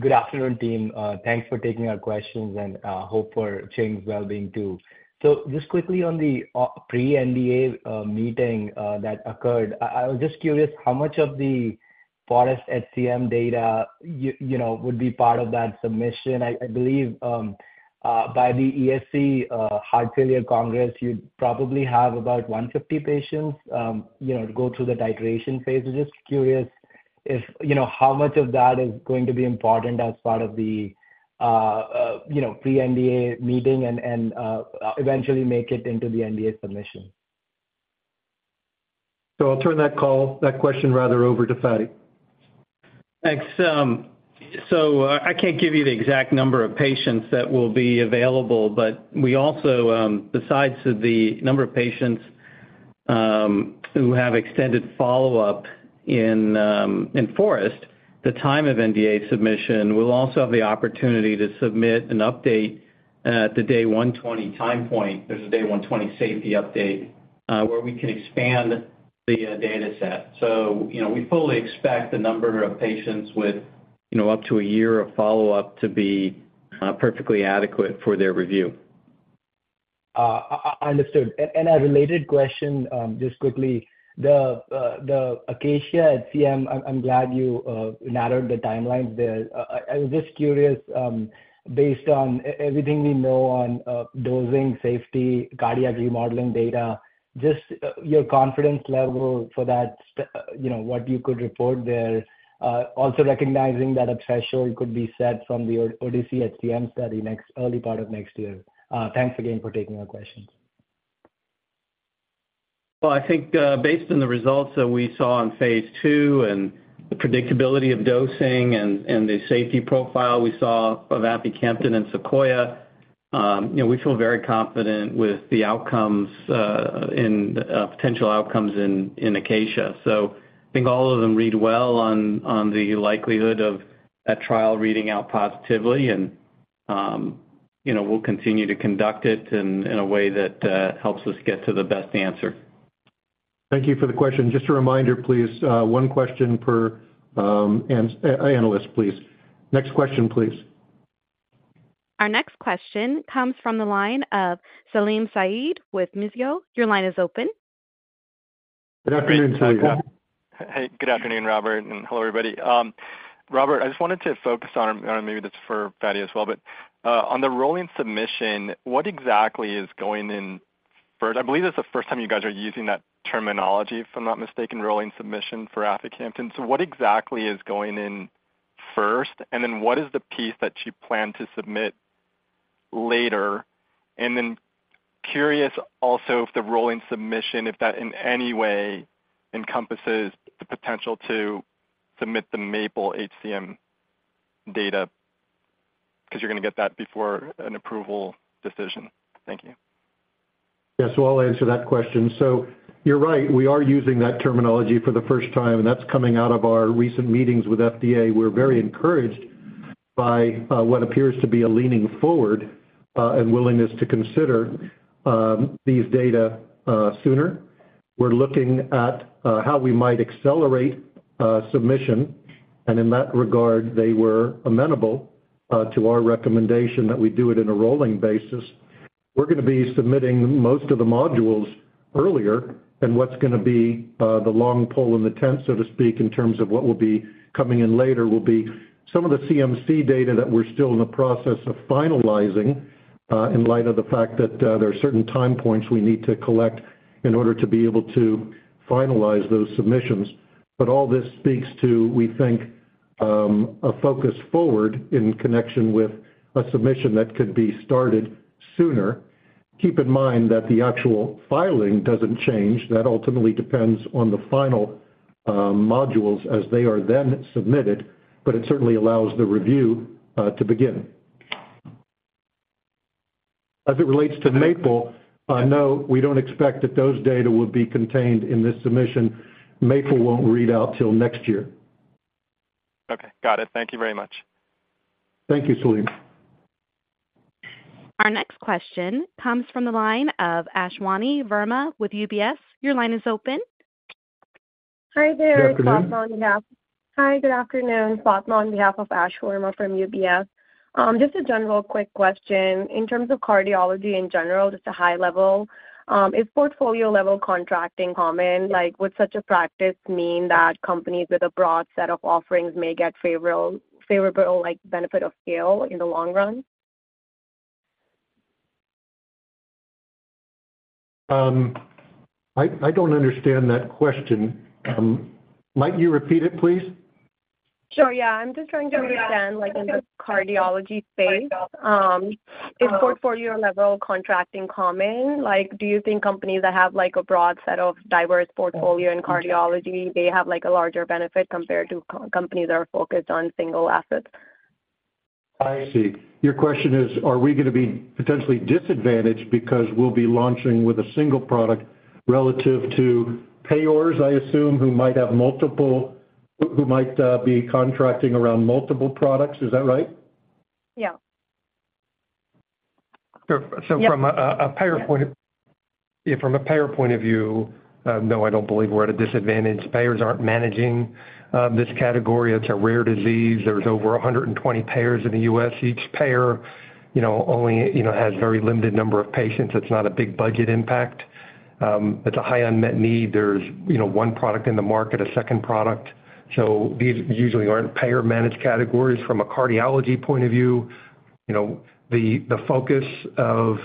Good afternoon, team. Thanks for taking our questions, and hope for Ching's well-being too. So just quickly on the pre-NDA meeting that occurred, I was just curious how much of the FOREST-HCM data would be part of that submission. I believe by the ESC Heart Failure Congress, you'd probably have about 150 patients go through the titration phase. I'm just curious how much of that is going to be important as part of the pre-NDA meeting and eventually make it into the NDA submission. I'll turn that question rather over to Fady. Thanks. So I can't give you the exact number of patients that will be available, but besides the number of patients who have extended follow-up in FOREST, the time of NDA submission, we'll also have the opportunity to submit an update at the day 120 time point. There's a day 120 safety update where we can expand the dataset. So we fully expect the number of patients with up to a year of follow-up to be perfectly adequate for their review. I understood. And a related question, just quickly, the ACACIA-HCM, I'm glad you narrowed the timelines there. I was just curious, based on everything we know on dosing, safety, cardiac remodeling data, just your confidence level for what you could report there, also recognizing that a threshold could be set from the oHCM study early part of next year. Thanks again for taking our questions. Well, I think based on the results that we saw in phase II and the predictability of dosing and the safety profile we saw of aficamten and SEQUOIA, we feel very confident with the potential outcomes in ACACIA. So I think all of them read well on the likelihood of that trial reading out positively, and we'll continue to conduct it in a way that helps us get to the best answer. Thank you for the question. Just a reminder, please, one question per analyst, please. Next question, please. Our next question comes from the line of Salim Syed with Mizuho. Your line is open. Good afternoon to you. Hey, good afternoon, Robert, and hello, everybody. Robert, I just wanted to focus on maybe this is for Fady as well, but on the rolling submission, what exactly is going in first? I believe this is the first time you guys are using that terminology, if I'm not mistaken, rolling submission for aficamten. So what exactly is going in first, and then what is the piece that you plan to submit later? And then curious also if the rolling submission, if that in any way encompasses the potential to submit the MAPLE-HCM data because you're going to get that before an approval decision. Thank you. Yeah, so I'll answer that question. So you're right. We are using that terminology for the first time, and that's coming out of our recent meetings with FDA. We're very encouraged by what appears to be a leaning forward and willingness to consider these data sooner. We're looking at how we might accelerate submission, and in that regard, they were amenable to our recommendation that we do it in a rolling basis. We're going to be submitting most of the modules earlier, and what's going to be the long pole in the tent, so to speak, in terms of what will be coming in later will be some of the CMC data that we're still in the process of finalizing in light of the fact that there are certain time points we need to collect in order to be able to finalize those submissions. But all this speaks to, we think, a focus forward in connection with a submission that could be started sooner. Keep in mind that the actual filing doesn't change. That ultimately depends on the final modules as they are then submitted, but it certainly allows the review to begin. As it relates to Maple, no, we don't expect that those data would be contained in this submission. Maple won't read out till next year. Okay. Got it. Thank you very much. Thank you, Salim. Our next question comes from the line of Ashwani Verma with UBS. Your line is open. Hi there. Good afternoon. Sawathma on behalf. Hi, good afternoon. Sawathma on behalf of Ashwani from UBS. Just a general quick question. In terms of cardiology in general, just a high level, is portfolio-level contracting common? Would such a practice mean that companies with a broad set of offerings may get favorable benefit of scale in the long run? I don't understand that question. Might you repeat it, please? Sure. Yeah. I'm just trying to understand in the cardiology space, is portfolio-level contracting common? Do you think companies that have a broad set of diverse portfolio in cardiology, they have a larger benefit compared to companies that are focused on single assets? I see. Your question is, are we going to be potentially disadvantaged because we'll be launching with a single product relative to payors, I assume, who might be contracting around multiple products? Is that right? Yeah. So from a payor point of view, no, I don't believe we're at a disadvantage. Payors aren't managing this category. It's a rare disease. There's over 120 payors in the U.S. Each payor only has a very limited number of patients. It's not a big budget impact. It's a high unmet need. There's one product in the market, a second product. So these usually aren't payor-managed categories. From a cardiology point of view, the focus of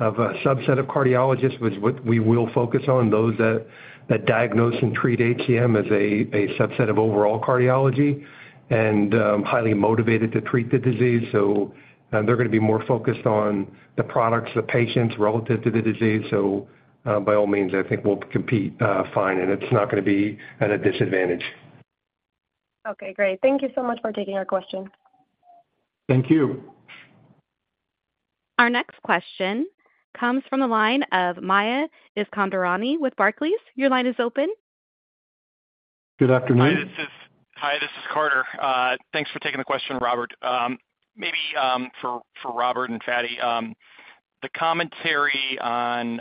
a subset of cardiologists was what we will focus on, those that diagnose and treat HCM as a subset of overall cardiology and highly motivated to treat the disease. So they're going to be more focused on the products, the patients relative to the disease. So by all means, I think we'll compete fine, and it's not going to be at a disadvantage. Okay. Great. Thank you so much for taking our question. Thank you. Our next question comes from the line of Maya Iskandarani with Barclays. Your line is open. Good afternoon. Hi, this is Carter. Thanks for taking the question, Robert. Maybe for Robert and Fady, the commentary on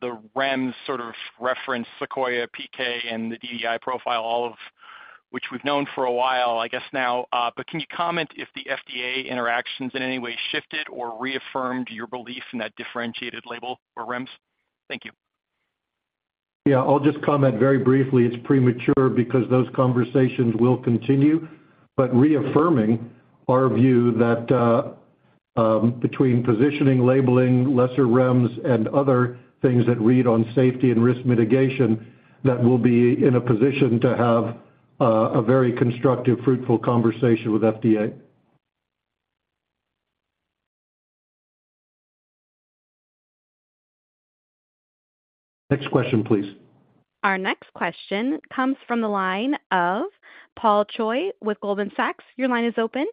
the REMS sort of reference SEQUOIA, PK, and the DDI profile, all of which we've known for a while, I guess now, but can you comment if the FDA interactions in any way shifted or reaffirmed your belief in that differentiated label or REMS? Thank you. Yeah. I'll just comment very briefly. It's premature because those conversations will continue. But reaffirming our view that between positioning, labeling, lesser REMS, and other things that read on safety and risk mitigation, that we'll be in a position to have a very constructive, fruitful conversation with FDA. Next question, please. Our next question comes from the line of Paul Choi with Goldman Sachs. Your line is open.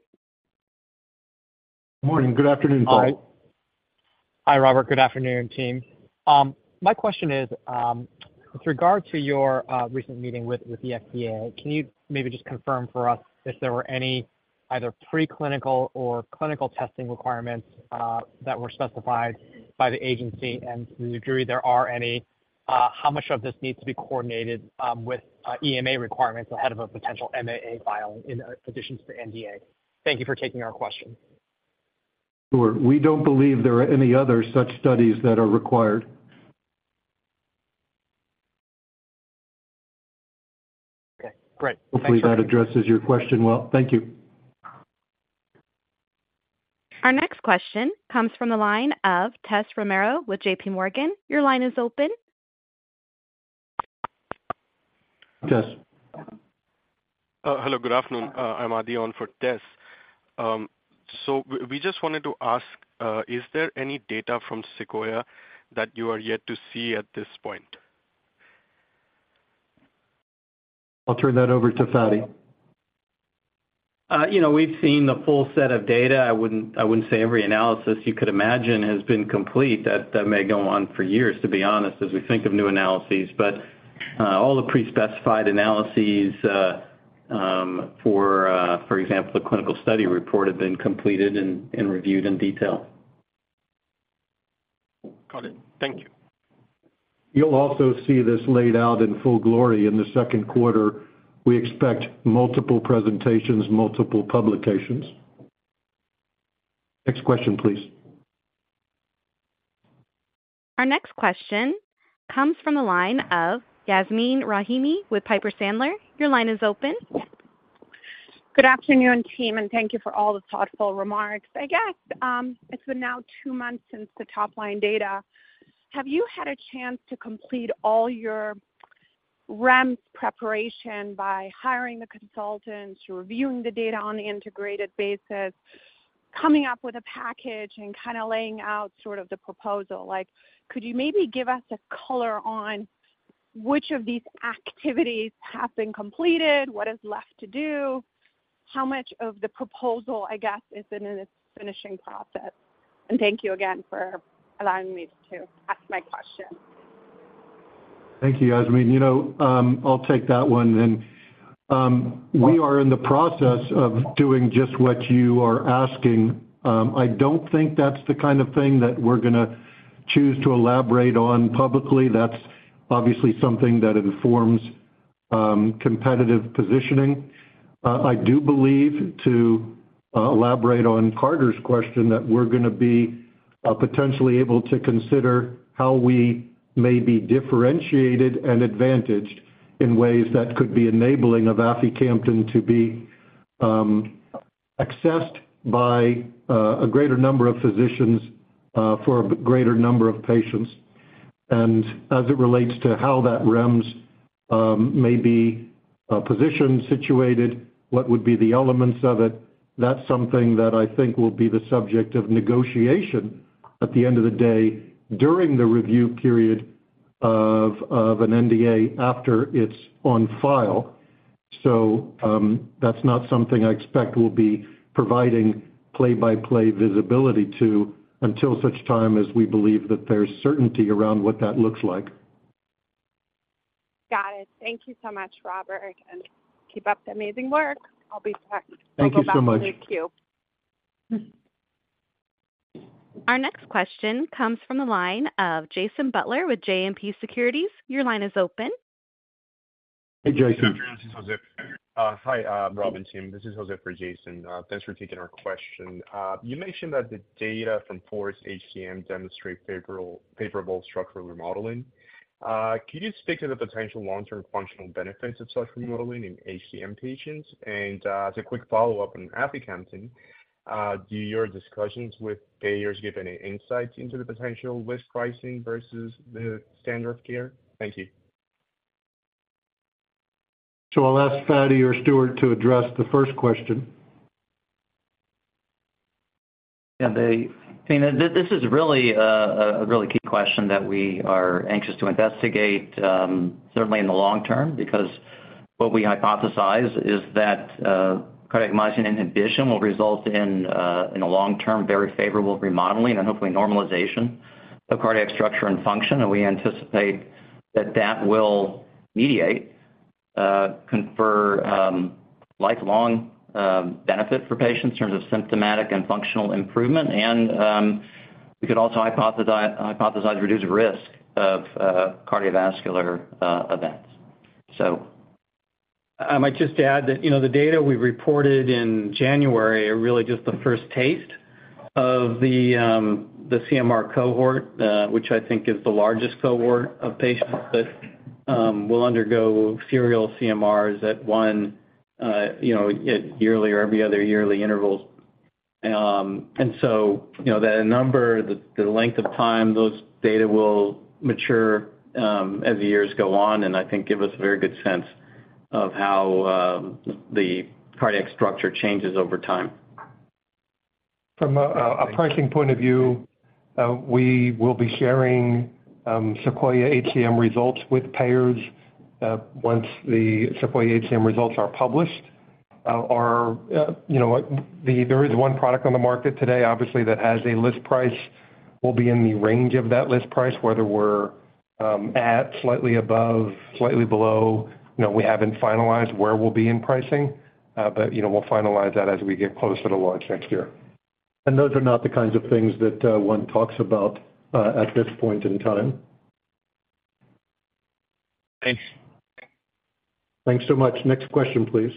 Good morning. Good afternoon, Paul. Hi, Robert. Good afternoon, team. My question is, with regard to your recent meeting with the FDA, can you maybe just confirm for us if there were any either preclinical or clinical testing requirements that were specified by the agency? To the degree there are any, how much of this needs to be coordinated with EMA requirements ahead of a potential MAA filing in addition to the NDA? Thank you for taking our question. Sure. We don't believe there are any other such studies that are required. Okay. Great. Thank you. Hopefully, that addresses your question well. Thank you. Our next question comes from the line of Tess Romero with JPMorgan. Your line is open. Tess. Hello. Good afternoon. I'm Adi on for Tess. We just wanted to ask, is there any data from SEQUOIA that you are yet to see at this point? I'll turn that over to Fady. We've seen the full set of data. I wouldn't say every analysis you could imagine has been complete. That may go on for years, to be honest, as we think of new analyses. But all the pre-specified analyses for, for example, the clinical study report have been completed and reviewed in detail. Got it. Thank you. You'll also see this laid out in full glory in the second quarter. We expect multiple presentations, multiple publications. Next question, please. Our next question comes from the line of Yasmeen Rahimi with Piper Sandler. Your line is open. Good afternoon, team, and thank you for all the thoughtful remarks. I guess it's been now two months since the top-line data. Have you had a chance to complete all your REMS preparation by hiring the consultants, reviewing the data on an integrated basis, coming up with a package, and kind of laying out sort of the proposal? Could you maybe give us a color on which of these activities have been completed? What is left to do? How much of the proposal, I guess, is in its finishing process? And thank you again for allowing me to ask my question. Thank you, Yasmeen. I'll take that one. We are in the process of doing just what you are asking. I don't think that's the kind of thing that we're going to choose to elaborate on publicly. That's obviously something that informs competitive positioning. I do believe, to elaborate on Carter's question, that we're going to be potentially able to consider how we may be differentiated and advantaged in ways that could be enabling of aficamten to be accessed by a greater number of physicians for a greater number of patients. As it relates to how that REMS may be positioned, situated, what would be the elements of it, that's something that I think will be the subject of negotiation at the end of the day during the review period of an NDA after it's on file. That's not something I expect we'll be providing play-by-play visibility to until such time as we believe that there's certainty around what that looks like. Got it. Thank you so much, Robert, and keep up the amazing work. I'll be back. Thank you so much. On the queue. Our next question comes from the line of Jason Butler with JMP Securities. Your line is open. Hey, Jason. Hi, Robert, team. This is Joseph for Jason. Thanks for taking our question. You mentioned that the data from FOREST-HCM demonstrate favorable structural remodeling. Could you speak to the potential long-term functional benefits of structural remodeling in HCM patients? And as a quick follow-up on aficamten, do your discussions with payors give any insights into the potential risk pricing versus the standard of care? Thank you. So I'll ask Fady or Stuart to address the first question. Yeah. I mean, this is really a really key question that we are anxious to investigate, certainly in the long term, because what we hypothesize is that cardiac myosin inhibition will result in a long-term, very favorable remodeling and hopefully normalization of cardiac structure and function. And we anticipate that that will mediate, confer lifelong benefit for patients in terms of symptomatic and functional improvement. And we could also hypothesize reduced risk of cardiovascular events, so. I might just add that the data we reported in January are really just the first taste of the CMR cohort, which I think is the largest cohort of patients that will undergo serial CMRs at yearly or every other yearly intervals. And so the number, the length of time those data will mature as the years go on, and I think give us a very good sense of how the cardiac structure changes over time. From a pricing point of view, we will be sharing SEQUOIA-HCM results with payors once the SEQUOIA-HCM results are published. There is one product on the market today, obviously, that has a list price. We'll be in the range of that list price, whether we're at, slightly above, slightly below. We haven't finalized where we'll be in pricing, but we'll finalize that as we get closer to launch next year. Those are not the kinds of things that one talks about at this point in time. Thanks. Thanks so much. Next question, please.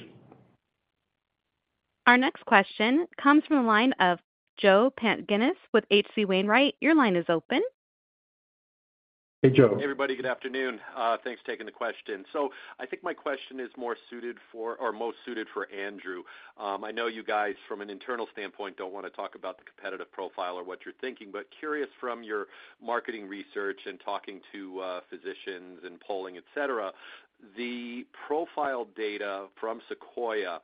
Our next question comes from the line of Joe Pantginis with H.C. Wainwright. Your line is open. Hey, Joe. Hey, everybody. Good afternoon. Thanks for taking the question. So I think my question is more suited for or most suited for Andrew. I know you guys, from an internal standpoint, don't want to talk about the competitive profile or what you're thinking, but curious from your marketing research and talking to physicians and polling, etc., the profile data from SEQUOIA,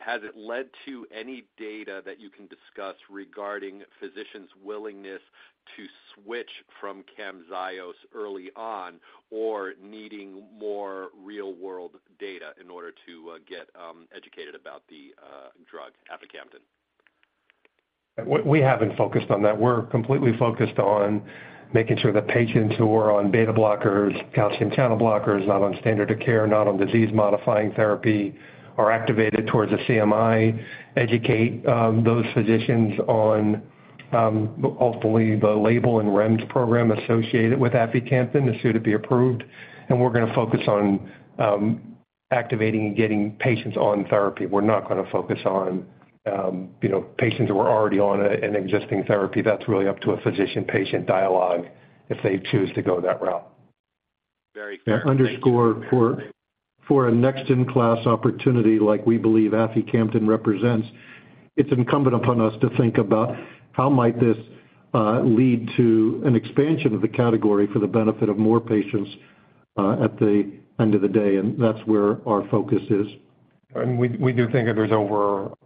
has it led to any data that you can discuss regarding physicians' willingness to switch from Camzyos early on or needing more real-world data in order to get educated about the drug aficamten? We haven't focused on that. We're completely focused on making sure that patients who are on beta-blockers, calcium channel blockers, not on standard of care, not on disease-modifying therapy, are activated towards a CMI. Educate those physicians on ultimately the label and REMS program associated with aficamten as soon as it be approved. And we're going to focus on activating and getting patients on therapy. We're not going to focus on patients who are already on an existing therapy. That's really up to a physician-patient dialogue if they choose to go that route. Very fair. To underscore for a next-in-class opportunity like we believe aficamten represents, it's incumbent upon us to think about how might this lead to an expansion of the category for the benefit of more patients at the end of the day. And that's where our focus is. We do think that there's well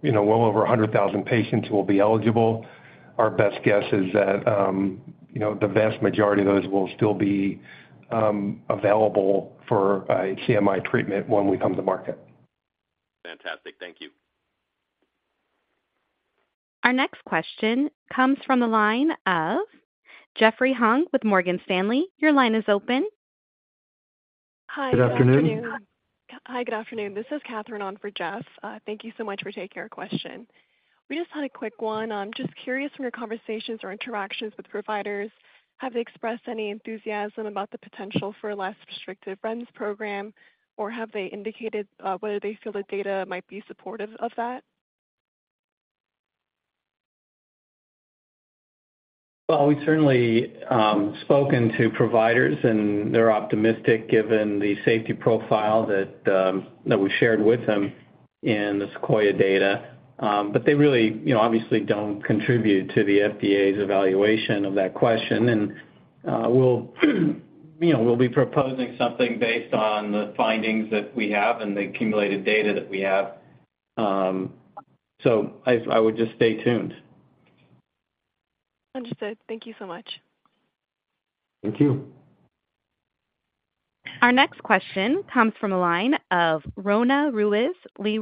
over 100,000 patients who will be eligible. Our best guess is that the vast majority of those will still be available for a CMI treatment when we come to market. Fantastic. Thank you. Our next question comes from the line of Jeffrey Hung with Morgan Stanley. Your line is open. Hi. Good afternoon. Hi. Good afternoon. This is Katherine on for Jeff. Thank you so much for taking our question. We just had a quick one. I'm just curious from your conversations or interactions with providers, have they expressed any enthusiasm about the potential for a less restrictive REMS program, or have they indicated whether they feel the data might be supportive of that? Well, we certainly have spoken to providers, and they're optimistic given the safety profile that we shared with them in the SEQUOIA data. But they really obviously don't contribute to the FDA's evaluation of that question. And we'll be proposing something based on the findings that we have and the accumulated data that we have. So I would just stay tuned. Understood. Thank you so much. Thank you. Our next question comes from the line of Roanna Ruiz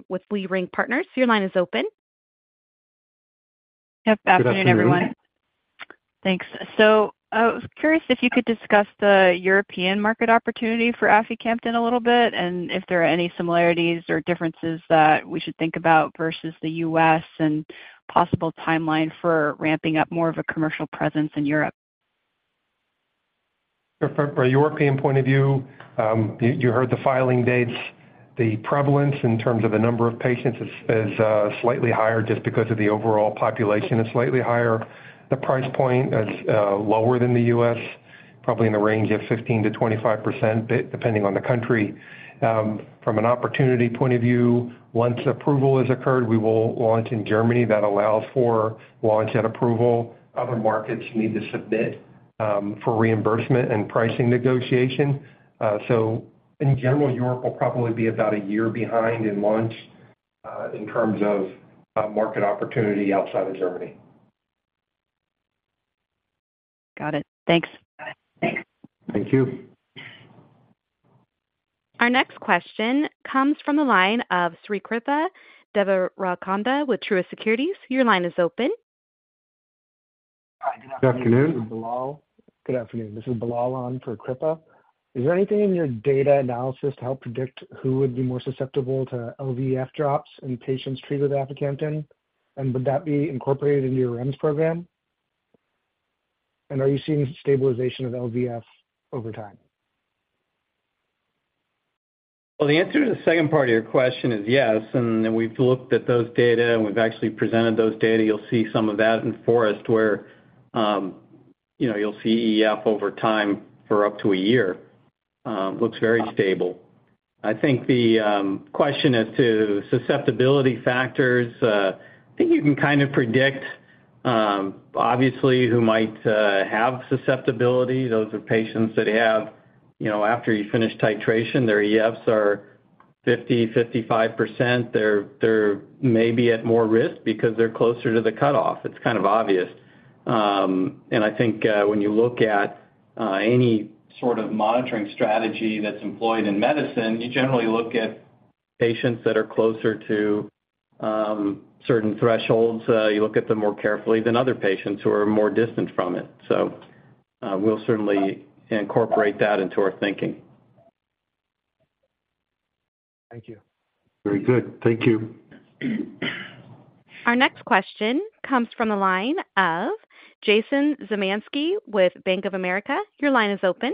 with Leerink Partners. Your line is open. Good afternoon, everyone. Thanks. I was curious if you could discuss the European market opportunity for aficamten a little bit and if there are any similarities or differences that we should think about versus the U.S. and possible timeline for ramping up more of a commercial presence in Europe? From a European point of view, you heard the filing dates. The prevalence in terms of the number of patients is slightly higher just because of the overall population is slightly higher. The price point is lower than the U.S., probably in the range of 15%-25%, depending on the country. From an opportunity point of view, once approval has occurred, we will launch in Germany. That allows for launch at approval. Other markets need to submit for reimbursement and pricing negotiation. So in general, Europe will probably be about a year behind in launch in terms of market opportunity outside of Germany. Got it. Thanks. Thank you. Our next question comes from the line of Srikripa Devarakonda with Truist Securities. Your line is open. Hi. Good afternoon. Good afternoon. This is Mr. Bilal. Good afternoon. This is Bilal on for Kripa. Is there anything in your data analysis to help predict who would be more susceptible to LVEF drops in patients treated with aficamten? And would that be incorporated into your REMS program? And are you seeing stabilization of LVEF over time? Well, the answer to the second part of your question is yes. And we've looked at those data, and we've actually presented those data. You'll see some of that in FOREST-HCM where you'll see LVEF over time for up to a year. Looks very stable. I think the question as to susceptibility factors, I think you can kind of predict, obviously, who might have susceptibility. Those are patients that have, after you finish titration, their LVEFs are 50%, 55%. They're maybe at more risk because they're closer to the cutoff. It's kind of obvious. And I think when you look at any sort of monitoring strategy that's employed in medicine, you generally look at patients that are closer to certain thresholds. You look at them more carefully than other patients who are more distant from it. So we'll certainly incorporate that into our thinking. Thank you. Very good. Thank you. Our next question comes from the line of Jason Zemansky with Bank of America. Your line is open.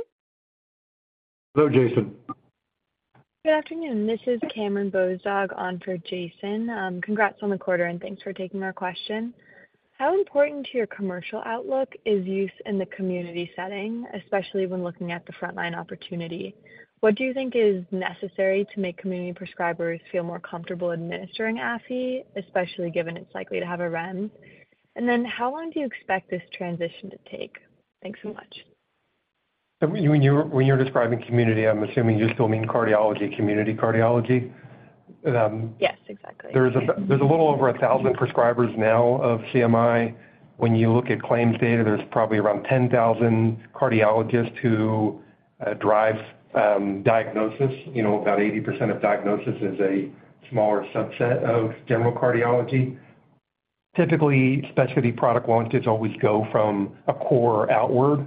Hello, Jason. Good afternoon. This is Cameron Bozdog on for Jason. Congrats on the quarter, and thanks for taking our question. How important to your commercial outlook is use in the community setting, especially when looking at the frontline opportunity? What do you think is necessary to make community prescribers feel more comfortable administering Afi, especially given it's likely to have a REMS? And then how long do you expect this transition to take? Thanks so much. When you're describing community, I'm assuming you still mean cardiology, community cardiology? Yes, exactly. There's a little over 1,000 prescribers now of CMI. When you look at claims data, there's probably around 10,000 cardiologists who drive diagnosis. About 80% of diagnosis is a smaller subset of general cardiology. Typically, specialty product launches always go from a core outward.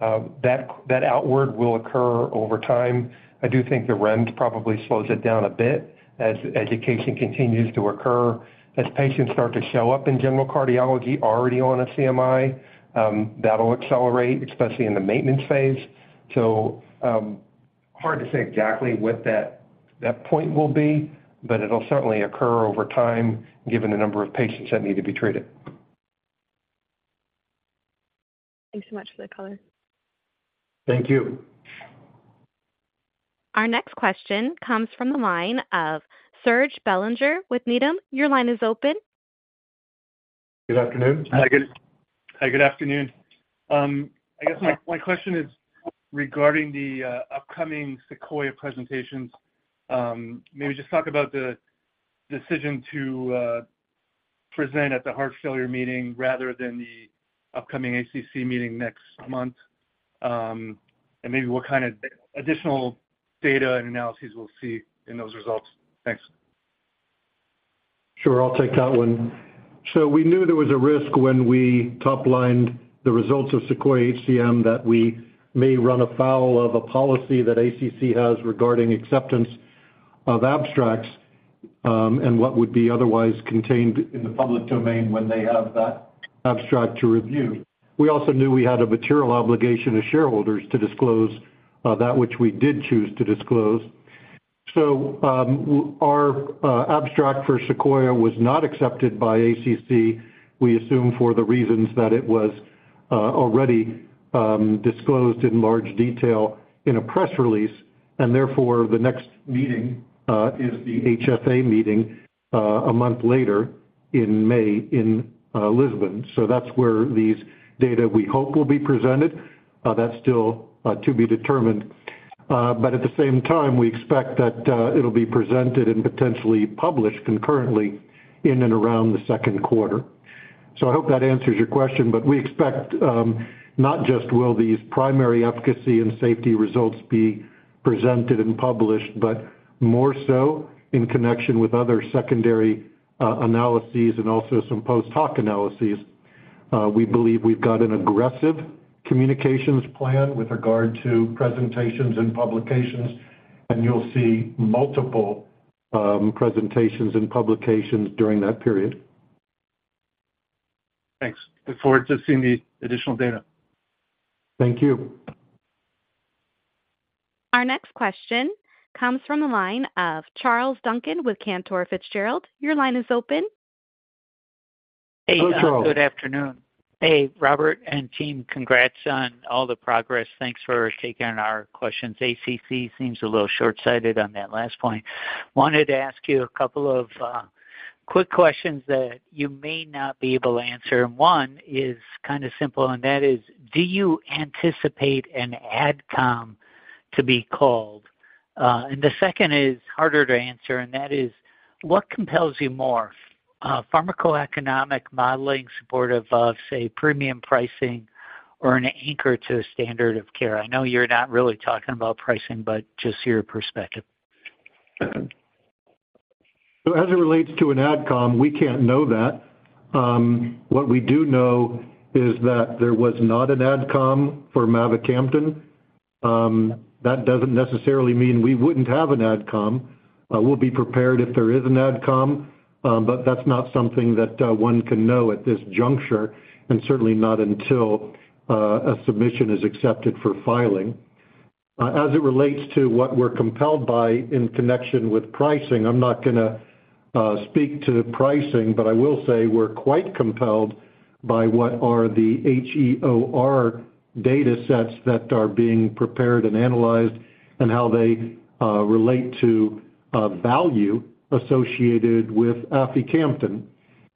That outward will occur over time. I do think the REMS probably slows it down a bit as education continues to occur. As patients start to show up in general cardiology already on a CMI, that'll accelerate, especially in the maintenance phase. So hard to say exactly what that point will be, but it'll certainly occur over time given the number of patients that need to be treated. Thanks so much for the color. Thank you. Our next question comes from the line of Serge Belanger with Needham. Your line is open. Good afternoon. Hi. Good afternoon. I guess my question is regarding the upcoming SEQUOIA presentations. Maybe just talk about the decision to present at the heart failure meeting rather than the upcoming ACC meeting next month, and maybe what kind of additional data and analyses we'll see in those results. Thanks. Sure. I'll take that one. So we knew there was a risk when we toplined the results of SEQUOIA-HCM that we may run afoul of a policy that ACC has regarding acceptance of abstracts and what would be otherwise contained in the public domain when they have that abstract to review. We also knew we had a material obligation as shareholders to disclose that which we did choose to disclose. So our abstract for SEQUOIA-HCM was not accepted by ACC, we assume, for the reasons that it was already disclosed in large detail in a press release. Therefore, the next meeting is the HFA meeting a month later in May in Lisbon. So that's where these data we hope will be presented. That's still to be determined. But at the same time, we expect that it'll be presented and potentially published concurrently in and around the second quarter. So I hope that answers your question, but we expect not just will these primary efficacy and safety results be presented and published, but more so in connection with other secondary analyses and also some post-hoc analyses. We believe we've got an aggressive communications plan with regard to presentations and publications, and you'll see multiple presentations and publications during that period. Thanks. Look forward to seeing the additional data. Thank you. Our next question comes from the line of Charles Duncan with Cantor Fitzgerald. Your line is open. Hey, Charles. Good afternoon. Hey, Robert and team, congrats on all the progress. Thanks for taking on our questions. ACC seems a little shortsighted on that last point. Wanted to ask you a couple of quick questions that you may not be able to answer. And one is kind of simple, and that is, do you anticipate an AdCom to be called? And the second is harder to answer, and that is, what compels you more, pharmacoeconomic modeling supportive of, say, premium pricing or an anchor to a standard of care? I know you're not really talking about pricing, but just your perspective. Okay. So as it relates to an AdCom, we can't know that. What we do know is that there was not an AdCom for mavacamten. That doesn't necessarily mean we wouldn't have an AdCom. We'll be prepared if there is an AdCom, but that's not something that one can know at this juncture and certainly not until a submission is accepted for filing. As it relates to what we're compelled by in connection with pricing, I'm not going to speak to pricing, but I will say we're quite compelled by what are the HEOR datasets that are being prepared and analyzed and how they relate to value associated with aficamten.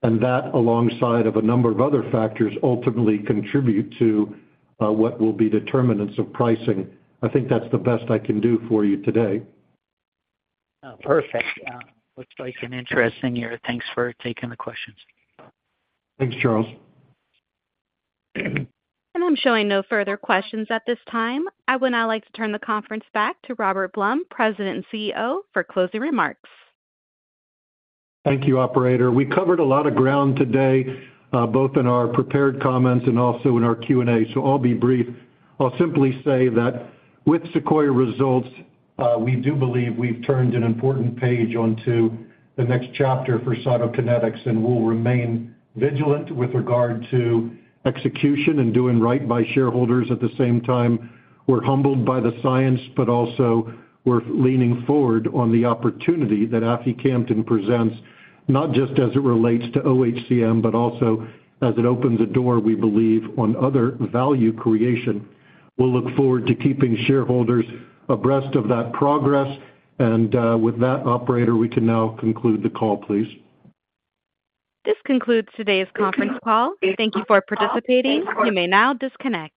And that, alongside of a number of other factors, ultimately contribute to what will be determinants of pricing. I think that's the best I can do for you today. Perfect. Looks like an interesting year. Thanks for taking the questions. Thanks, Charles. I'm showing no further questions at this time. I would now like to turn the conference back to Robert Blum, President and CEO, for closing remarks. Thank you, operator. We covered a lot of ground today, both in our prepared comments and also in our Q&A. So I'll be brief. I'll simply say that with SEQUOIA results, we do believe we've turned an important page onto the next chapter for Cytokinetics, and we'll remain vigilant with regard to execution and doing right by shareholders. At the same time, we're humbled by the science, but also we're leaning forward on the opportunity that aficamten presents, not just as it relates to oHCM, but also as it opens a door, we believe, on other value creation. We'll look forward to keeping shareholders abreast of that progress. And with that, operator, we can now conclude the call, please. This concludes today's conference call. Thank you for participating. You may now disconnect.